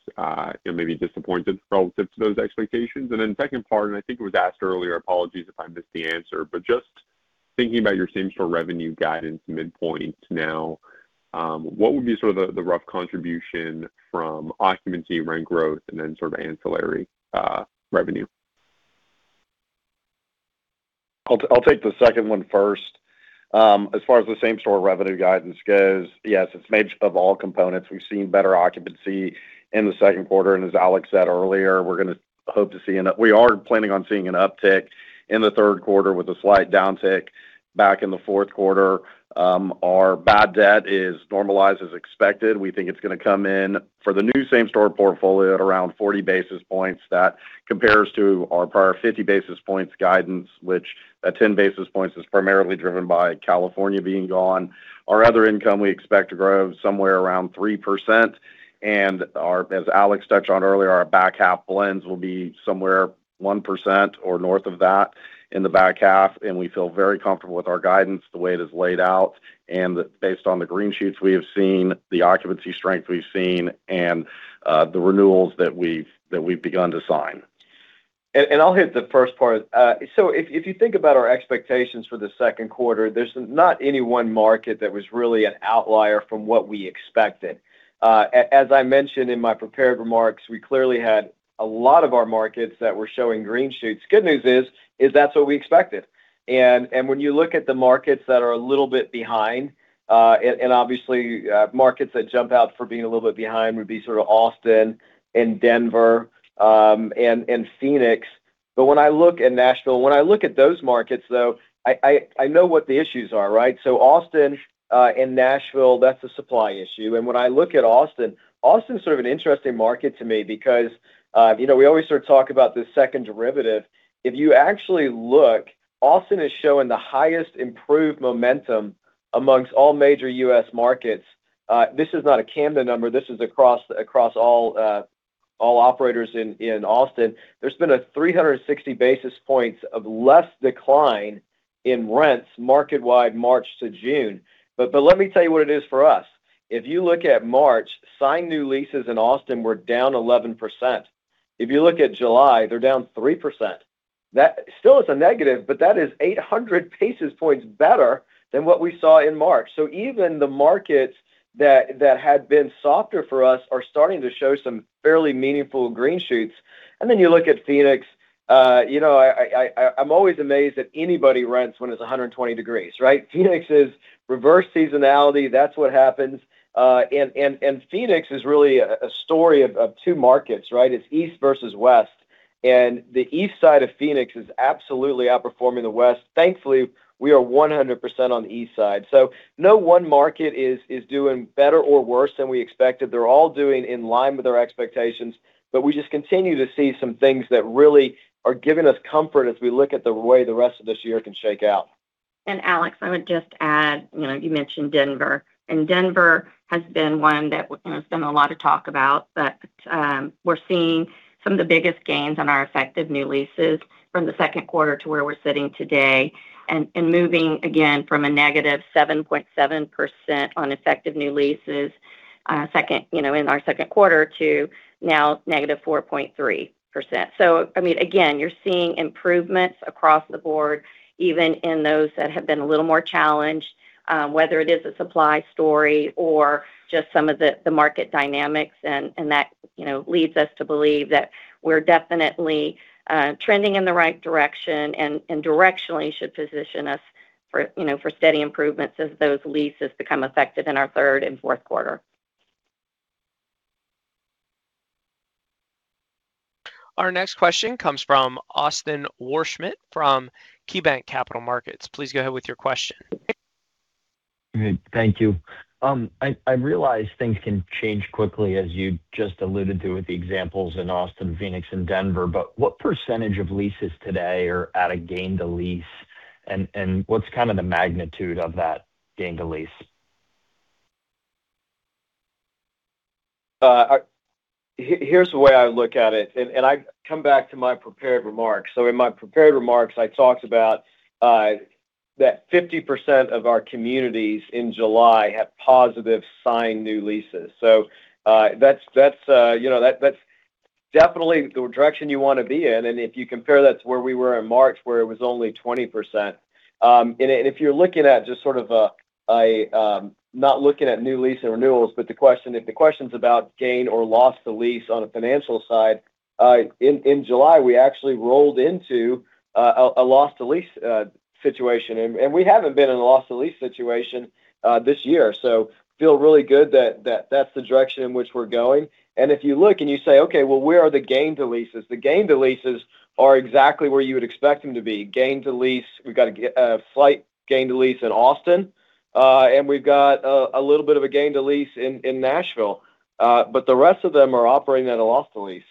Speaker 17: maybe disappointed relative to those expectations? Second part, and I think it was asked earlier, apologies if I missed the answer, but just thinking about your same-store revenue guidance midpoint now, what would be sort of the rough contribution from occupancy and rent growth and then sort of ancillary revenue?
Speaker 5: I'll take the second one first. As far as the same-store revenue guidance goes, yes, it's made up of all components. We've seen better occupancy in the second quarter, and as Alex said earlier, we are planning on seeing an uptick in the third quarter with a slight downtick back in the fourth quarter. Our bad debt is normalized as expected. We think it's going to come in for the new same-store portfolio at around 40 basis points. That compares to our prior 50 basis points guidance, which that 10 basis points is primarily driven by California being gone. Our other income we expect to grow somewhere around 3%, and as Alex touched on earlier, our back half blends will be somewhere 1% or north of that in the back half, and we feel very comfortable with our guidance the way it is laid out. Based on the green shoots we have seen, the occupancy strength we've seen, and the renewals that we've begun to sign.
Speaker 3: I'll hit the first part. If you think about our expectations for the second quarter, there's not any one market that was really an outlier from what we expected. As I mentioned in my prepared remarks, we clearly had a lot of our markets that were showing green shoots. Good news is, that's what we expected. When you look at the markets that are a little bit behind, and obviously markets that jump out for being a little bit behind would be sort of Austin and Denver and Phoenix. When I look at Nashville, when I look at those markets, though, I know what the issues are, right? Austin and Nashville, that's a supply issue. When I look at Austin's sort of an interesting market to me because we always sort of talk about the second derivative. If you actually look, Austin is showing the highest improved momentum amongst all major U.S. markets. This is not a Camden number. This is across all operators in Austin. There's been a 360 basis points of less decline in rents market-wide March to June. Let me tell you what it is for us. If you look at March, signed new leases in Austin were down 11%. If you look at July, they're down 3%. That still is a negative, but that is 800 basis points better than what we saw in March. Even the markets that had been softer for us are starting to show some fairly meaningful green shoots. Then you look at Phoenix. I'm always amazed that anybody rents when it's 120 degrees, right? Phoenix is reverse seasonality. That's what happens. Phoenix is really a story of two markets, right? It's east versus west, the east side of Phoenix is absolutely outperforming the west. Thankfully, we are 100% on the east side. No one market is doing better or worse than we expected. They're all doing in line with our expectations. We just continue to see some things that really are giving us comfort as we look at the way the rest of this year can shake out.
Speaker 4: Alex, I would just add, you mentioned Denver has been one that there's been a lot of talk about, we're seeing some of the biggest gains on our effective new leases from the second quarter to where we're sitting today. Moving again from a -7.7% on effective new leases in our second quarter to now -4.3%. Again, you're seeing improvements across the board, even in those that have been a little more challenged, whether it is a supply story or just some of the market dynamics. That leads us to believe that we're definitely trending in the right direction and directionally should position us for steady improvements as those leases become effective in our third and fourth quarter.
Speaker 6: Our next question comes from Austin Wurschmidt from KeyBanc Capital Markets. Please go ahead with your question.
Speaker 18: Thank you. I realize things can change quickly, as you just alluded to with the examples in Austin, Phoenix, and Denver, what percentage of leases today are at a gain to lease, and what's kind of the magnitude of that gain to lease?
Speaker 3: Here's the way I look at it, I come back to my prepared remarks. In my prepared remarks, I talked about that 50% of our communities in July have positive signed new leases. That's definitely the direction you want to be in. If you compare that to where we were in March, where it was only 20%. If you're looking at just sort of not looking at new lease and renewals, if the question's about gain or loss to lease on a financial side. In July, we actually rolled into a loss to lease situation, we haven't been in a loss to lease situation this year. Feel really good that that's the direction in which we're going. If you look and you say, "Okay, well, where are the gain to leases?" The gain to leases are exactly where you would expect them to be. We've got a slight gain to lease in Austin, we've got a little bit of a gain to lease in Nashville. The rest of them are operating at a loss to lease.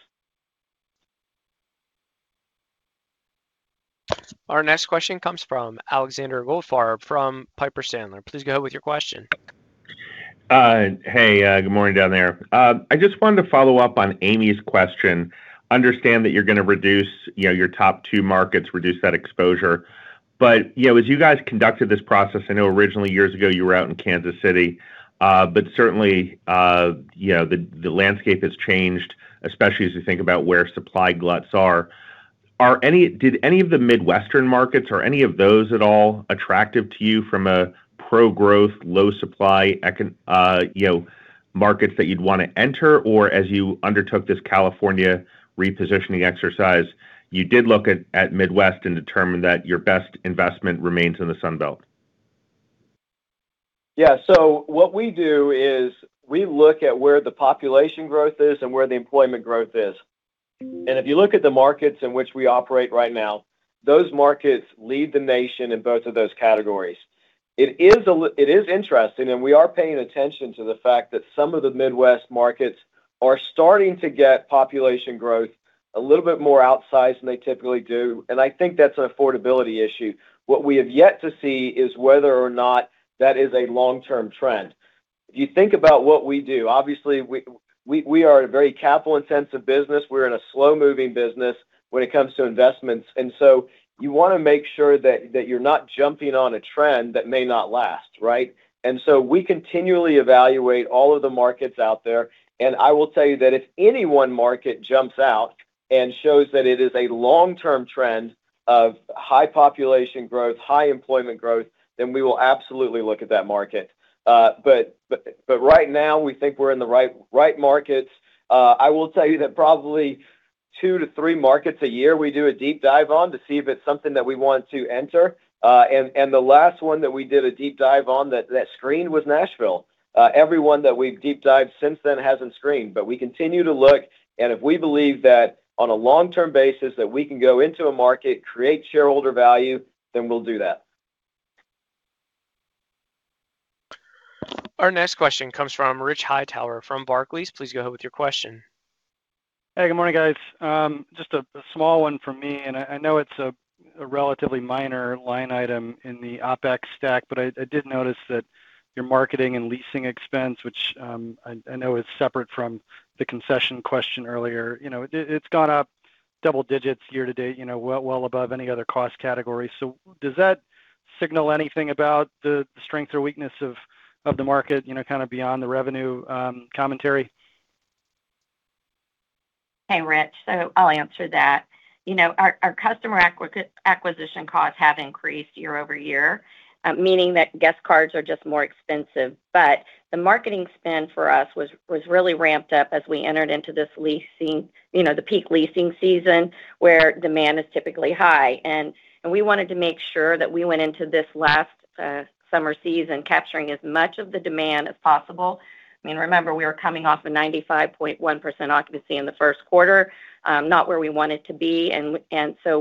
Speaker 6: Our next question comes from Alexander Goldfarb from Piper Sandler. Please go ahead with your question.
Speaker 19: Hey, good morning down there. I just wanted to follow up on Ami's question. Understand that you're going to reduce your top two markets, reduce that exposure. As you guys conducted this process, I know originally years ago you were out in Kansas City, certainly the landscape has changed, especially as you think about where supply gluts are. Did any of the Midwestern markets or any of those at all attractive to you from a pro-growth, low supply markets that you'd want to enter? As you undertook this California repositioning exercise, you did look at Midwest and determined that your best investment remains in the Sun Belt?
Speaker 3: Yeah. What we do is we look at where the population growth is and where the employment growth is. If you look at the markets in which we operate right now, those markets lead the nation in both of those categories. It is interesting, and we are paying attention to the fact that some of the Midwest markets are starting to get population growth a little bit more outsized than they typically do, and I think that's an affordability issue. What we have yet to see is whether or not that is a long-term trend. If you think about what we do, obviously, we are a very capital-intensive business. We're in a slow-moving business when it comes to investments. You want to make sure that you're not jumping on a trend that may not last, right? We continually evaluate all of the markets out there, and I will tell you that if any one market jumps out and shows that it is a long-term trend of high population growth, high employment growth, we will absolutely look at that market. Right now, we think we're in the right markets. I will tell you that probably two to three markets a year, we do a deep dive on to see if it's something that we want to enter. The last one that we did a deep dive on that screened was Nashville. Every one that we've deep dived since then hasn't screened, we continue to look, and if we believe that on a long-term basis that we can go into a market, create shareholder value, we'll do that.
Speaker 6: Our next question comes from Rich Hightower from Barclays. Please go ahead with your question.
Speaker 20: Hey, good morning, guys. Just a small one from me, and I know it's a relatively minor line item in the OpEx stack, I did notice that your marketing and leasing expense, which I know is separate from the concession question earlier, it's gone up double digits year-to-date, well above any other cost category. Does that signal anything about the strength or weakness of the market, kind of beyond the revenue commentary?
Speaker 4: Hey, Rich. I'll answer that. Our customer acquisition costs have increased year-over-year, meaning that guest cards are just more expensive. The marketing spend for us was really ramped up as we entered into the peak leasing season, where demand is typically high. We wanted to make sure that we went into this last summer season capturing as much of the demand as possible. Remember, we were coming off a 95.1% occupancy in the first quarter, not where we wanted to be,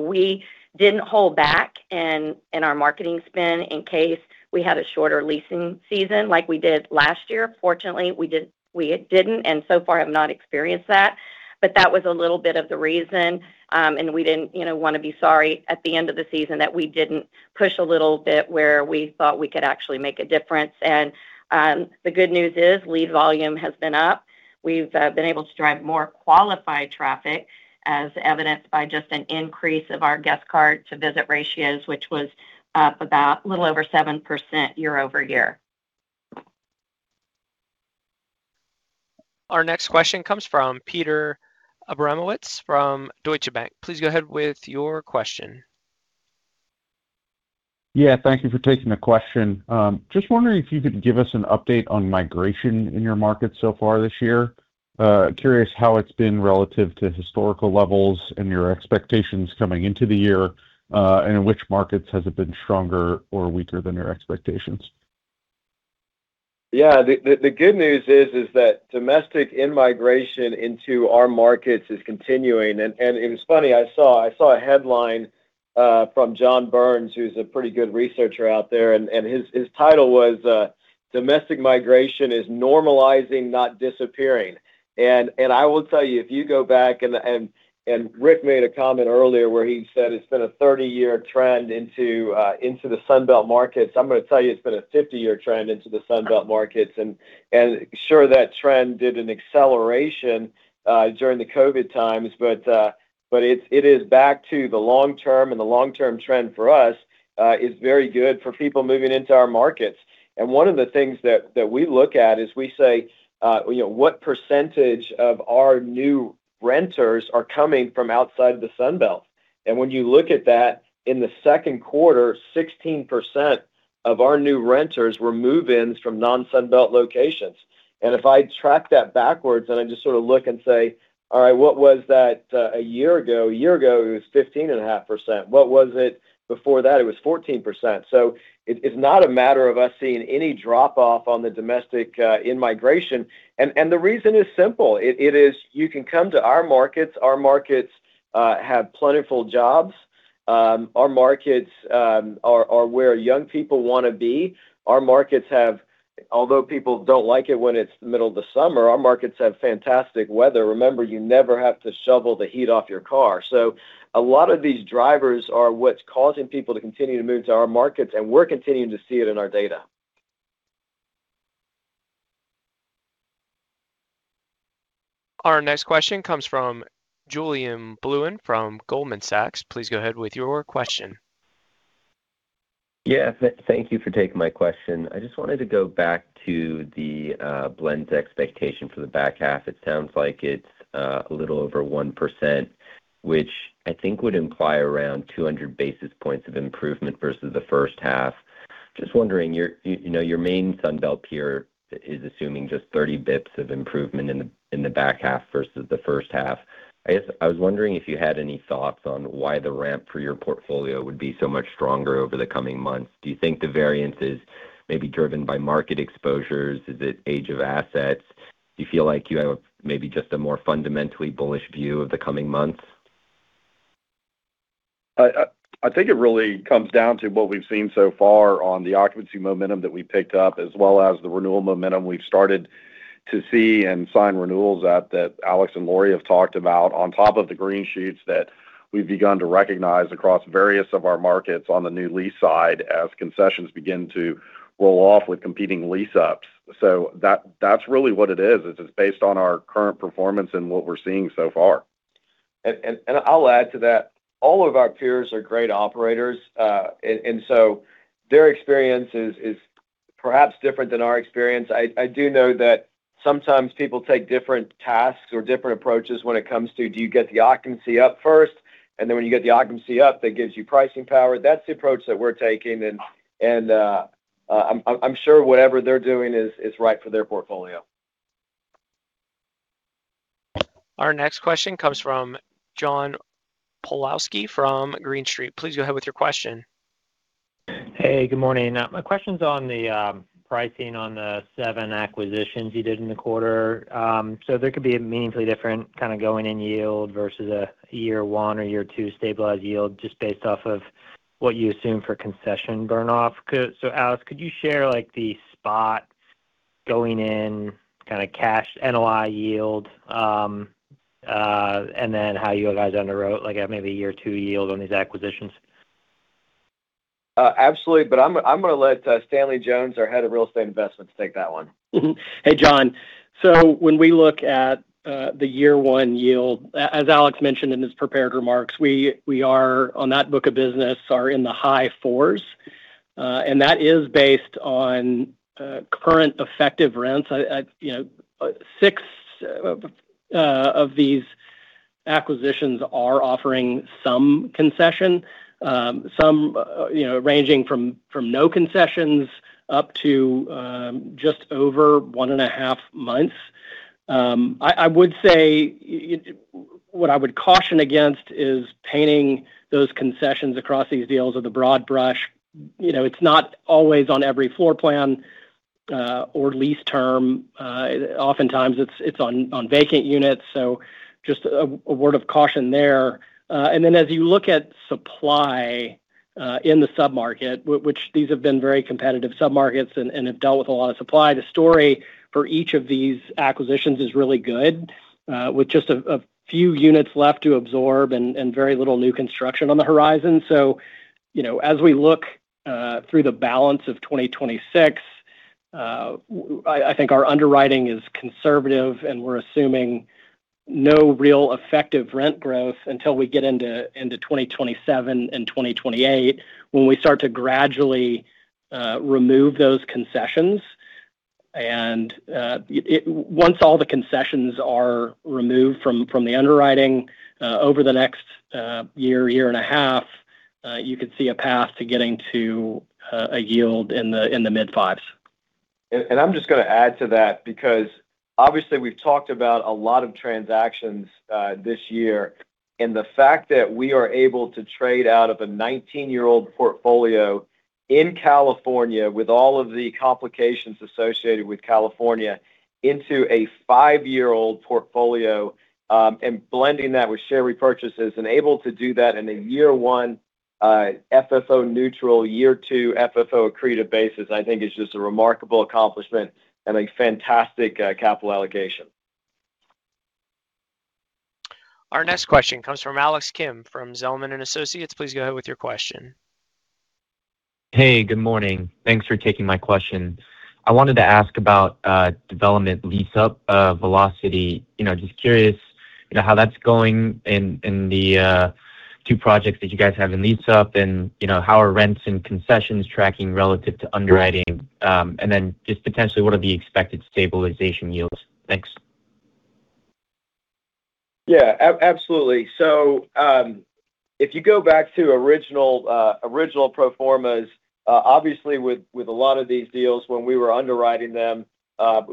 Speaker 4: we didn't hold back in our marketing spend in case we had a shorter leasing season like we did last year. Fortunately, we didn't, so far have not experienced that. That was a little bit of the reason, we didn't want to be sorry at the end of the season that we didn't push a little bit where we thought we could actually make a difference. The good news is lead volume has been up. We've been able to drive more qualified traffic as evidenced by just an increase of our guest card-to-visit ratios, which was up about a little over 7% year-over-year.
Speaker 6: Our next question comes from Peter Abramowitz from Deutsche Bank. Please go ahead with your question.
Speaker 21: Yeah, thank you for taking the question. Just wondering if you could give us an update on migration in your markets so far this year. Curious how it's been relative to historical levels and your expectations coming into the year, and in which markets has it been stronger or weaker than your expectations?
Speaker 3: Yeah. The good news is that domestic in-migration into our markets is continuing. It was funny, I saw a headline from John Burns, who's a pretty good researcher out there, and his title was, "Domestic Migration is Normalizing, Not Disappearing." I will tell you, if you go back, Ric made a comment earlier where he said it's been a 30-year trend into the Sun Belt markets. I'm going to tell you it's been a 50-year trend into the Sun Belt markets. Sure that trend did an acceleration during the COVID times, but it is back to the long term, and the long-term trend for us is very good for people moving into our markets. One of the things that we look at is we say, what % of our new renters are coming from outside the Sun Belt? When you look at that in the second quarter, 16% of our new renters were move-ins from non-Sun Belt locations. If I track that backwards and I just sort of look and say, "All right, what was that a year ago?" A year ago it was 15.5%. What was it before that? It was 14%. It's not a matter of us seeing any drop off on the domestic in-migration. The reason is simple. It is you can come to our markets, our markets have plentiful jobs. Our markets are where young people want to be. Our markets have, although people don't like it when it's the middle of the summer, our markets have fantastic weather. Remember, you never have to shovel the heat off your car. A lot of these drivers are what's causing people to continue to move to our markets, and we're continuing to see it in our data.
Speaker 6: Our next question comes from Julien Blouin from Goldman Sachs. Please go ahead with your question.
Speaker 22: Yeah. Thank you for taking my question. I just wanted to go back to the blends expectation for the back half. It sounds like it's a little over 1%, which I think would imply around 200 basis points of improvement versus the first half. Just wondering, your main Sun Belt peer is assuming just 30 basis points of improvement in the back half versus the first half. I guess I was wondering if you had any thoughts on why the ramp for your portfolio would be so much stronger over the coming months. Do you think the variance is maybe driven by market exposures? Is it age of assets? Do you feel like you have maybe just a more fundamentally bullish view of the coming months?
Speaker 5: I think it really comes down to what we've seen so far on the occupancy momentum that we picked up, as well as the renewal momentum we've started to see and sign renewals at that Alex and Laurie have talked about on top of the green shoots that we've begun to recognize across various of our markets on the new lease side as concessions begin to roll off with competing lease ups. That's really what it is. It's just based on our current performance and what we're seeing so far.
Speaker 3: I'll add to that. All of our peers are great operators. Their experience is perhaps different than our experience. I do know that sometimes people take different tasks or different approaches when it comes to do you get the occupancy up first, and then when you get the occupancy up, that gives you pricing power. That's the approach that we're taking, and I'm sure whatever they're doing is right for their portfolio.
Speaker 6: Our next question comes from John Pawlowski from Green Street. Please go ahead with your question.
Speaker 23: Hey, good morning. My question's on the pricing on the seven acquisitions you did in the quarter. There could be a meaningfully different kind of going in yield versus a year one or year two stabilized yield just based off of what you assume for concession burn off. Alex, could you share the spot going in, kind of cash NOI yield, and then how you guys underwrote maybe a year two yield on these acquisitions?
Speaker 3: Absolutely, I'm going to let Stanley Jones, our Head of Real Estate Investments, take that one.
Speaker 24: When we look at the year one yield, as Alex mentioned in his prepared remarks, we are on that book of business are in the high fours. That is based on current effective rents. Six of these acquisitions are offering some concession, some ranging from no concessions up to just over 1.5 months. I would say what I would caution against is painting those concessions across these deals with a broad brush. It's not always on every floor plan or lease term. Oftentimes it's on vacant units. Just a word of caution there. As you look at supply in the sub-market, which these have been very competitive sub-markets and have dealt with a lot of supply, the story for each of these acquisitions is really good, with just a few units left to absorb and very little new construction on the horizon. As we look through the balance of 2026, I think our underwriting is conservative, and we're assuming no real effective rent growth until we get into 2027 and 2028 when we start to gradually remove those concessions. Once all the concessions are removed from the underwriting over the next year, 1.5 years, you could see a path to getting to a yield in the mid 5%.
Speaker 3: I'm just going to add to that because obviously we've talked about a lot of transactions this year, and the fact that we are able to trade out of a 19-year-old portfolio in California with all of the complications associated with California into a five-year-old portfolio, and blending that with share repurchases and able to do that in a year one FFO neutral, year two FFO accretive basis, I think is just a remarkable accomplishment and a fantastic capital allocation.
Speaker 6: Our next question comes from Alex Kim from Zelman & Associates. Please go ahead with your question.
Speaker 25: Hey, good morning. Thanks for taking my question. I wanted to ask about development lease-up velocity. Just curious how that's going in the two projects that you guys have in lease-up and how are rents and concessions tracking relative to underwriting? What are the expected stabilization yields? Thanks.
Speaker 3: Absolutely. If you go back to original pro formas, obviously with a lot of these deals, when we were underwriting them,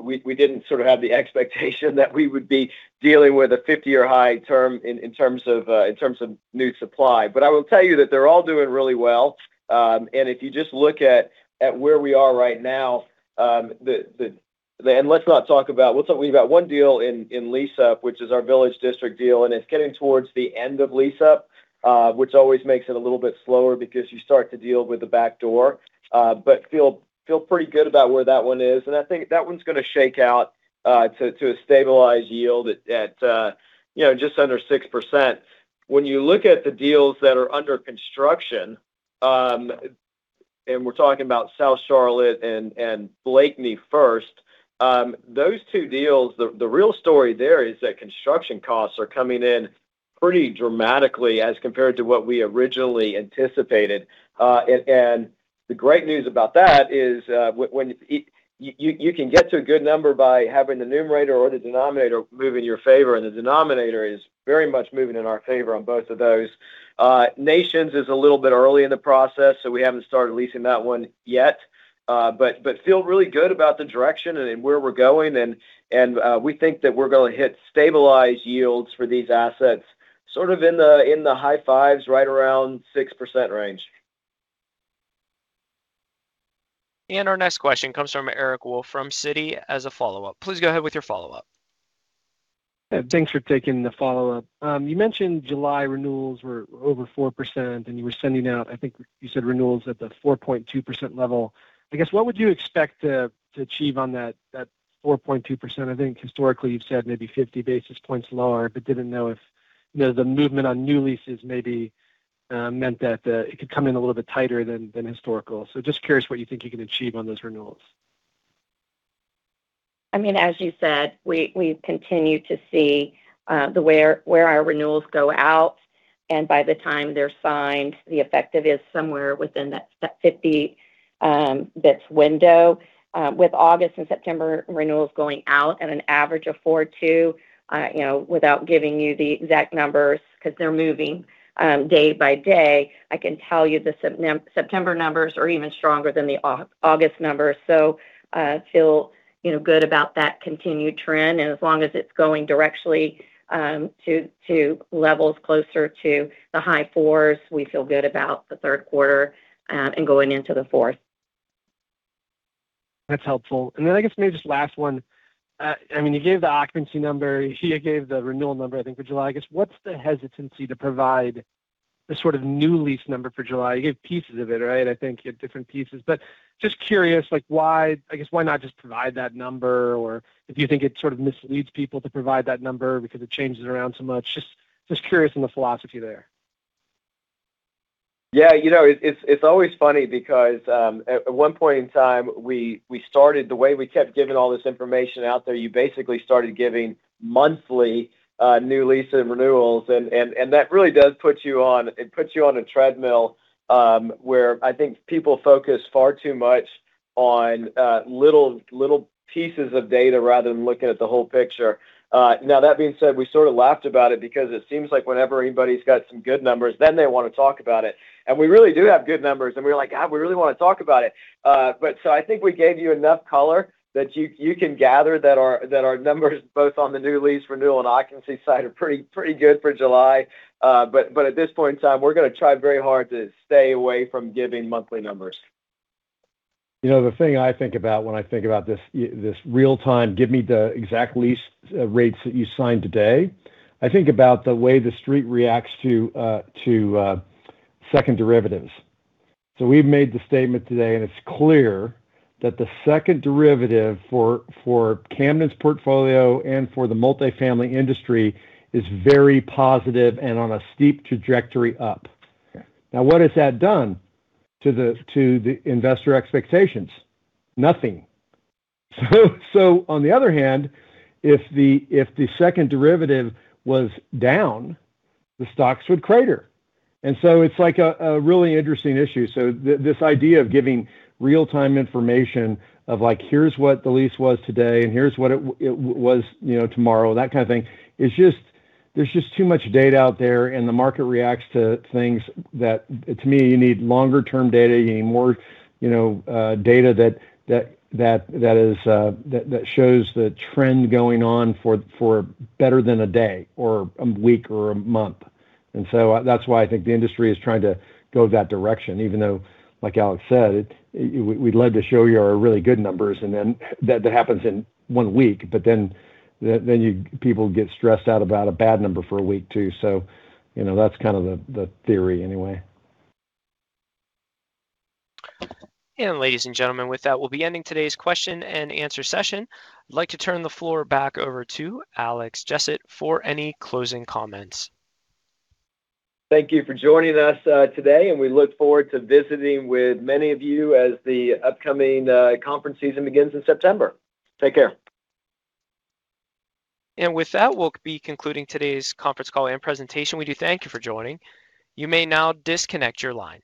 Speaker 3: we didn't sort of have the expectation that we would be dealing with a 50-year high term in terms of new supply. I will tell you that they're all doing really well. If you just look at where we are right now, we've got one deal in lease-up, which is our Village District deal, and it's getting towards the end of lease-up, which always makes it a little bit slower because you start to deal with the back door. Feel pretty good about where that one is. I think that one's going to shake out to a stabilized yield at just under 6%. When you look at the deals that are under construction, we're talking about South Charlotte and Blakeney first, those two deals, the real story there is that construction costs are coming in pretty dramatically as compared to what we originally anticipated. The great news about that is, you can get to a good number by having the numerator or the denominator move in your favor, and the denominator is very much moving in our favor on both of those. Nations is a little bit early in the process, we haven't started leasing that one yet. Feel really good about the direction and where we're going, and we think that we're going to hit stabilized yields for these assets, sort of in the high 5s%, right around 6% range.
Speaker 6: Our next question comes from Eric Wolfe from Citi as a follow-up. Please go ahead with your follow-up.
Speaker 7: Yeah, thanks for taking the follow-up. You mentioned July renewals were over 4%, and you were sending out, I think you said, renewals at the 4.2% level. I guess, what would you expect to achieve on that 4.2%? I think historically you've said maybe 50 basis points lower, but didn't know if the movement on new leases maybe meant that it could come in a little bit tighter than historical. Just curious what you think you can achieve on those renewals.
Speaker 4: I mean, as you said, we continue to see where our renewals go out, and by the time they're signed, the effective is somewhere within that 50 basis points window. With August and September renewals going out at an average of 4.2%, without giving you the exact numbers because they're moving day by day, I can tell you the September numbers are even stronger than the August numbers. Feel good about that continued trend. As long as it's going directly to levels closer to the high fours, we feel good about the third quarter and going into the fourth.
Speaker 7: That's helpful. I guess maybe this last one. You gave the occupancy number, you gave the renewal number, I think, for July. I guess, what's the hesitancy to provide the sort of new lease number for July? You gave pieces of it, right? I think you had different pieces. Just curious, why not just provide that number? If you think it sort of misleads people to provide that number because it changes around so much. Just curious on the philosophy there.
Speaker 3: Yeah. It's always funny because at one point in time, we started the way we kept giving all this information out there, you basically started giving monthly new leases and renewals, and that really does put you on a treadmill, where I think people focus far too much on little pieces of data rather than looking at the whole picture. Now that being said, we sort of laughed about it because it seems like whenever anybody's got some good numbers, then they want to talk about it. We really do have good numbers, and we're like, "God, we really want to talk about it." I think we gave you enough color that you can gather that our numbers, both on the new lease renewal and occupancy side, are pretty good for July. At this point in time, we're going to try very hard to stay away from giving monthly numbers.
Speaker 2: The thing I think about when I think about this real-time, give me the exact lease rates that you signed today. I think about the way the street reacts to second derivatives. We've made the statement today, and it's clear that the second derivative for Camden's portfolio and for the multifamily industry is very positive and on a steep trajectory up.
Speaker 3: Yeah.
Speaker 2: Now, what has that done to the investor expectations? Nothing. On the other hand, if the second derivative was down, the stocks would crater. It's like a really interesting issue. This idea of giving real-time information of like, "Here's what the lease was today, and here's what it was tomorrow," that kind of thing. There's just too much data out there, and the market reacts to things that To me, you need longer-term data, you need more data that shows the trend going on for better than a day or a week or a month. That's why I think the industry is trying to go that direction, even though, like Alex said, we'd love to show you our really good numbers, and then that happens in one week. Then people get stressed out about a bad number for a week, too. That's kind of the theory anyway.
Speaker 6: Ladies and gentlemen, with that, we'll be ending today's question and answer session. I'd like to turn the floor back over to Alex Jessett for any closing comments.
Speaker 3: Thank you for joining us today, and we look forward to visiting with many of you as the upcoming conference season begins in September. Take care.
Speaker 6: With that, we'll be concluding today's conference call and presentation. We do thank you for joining. You may now disconnect your lines.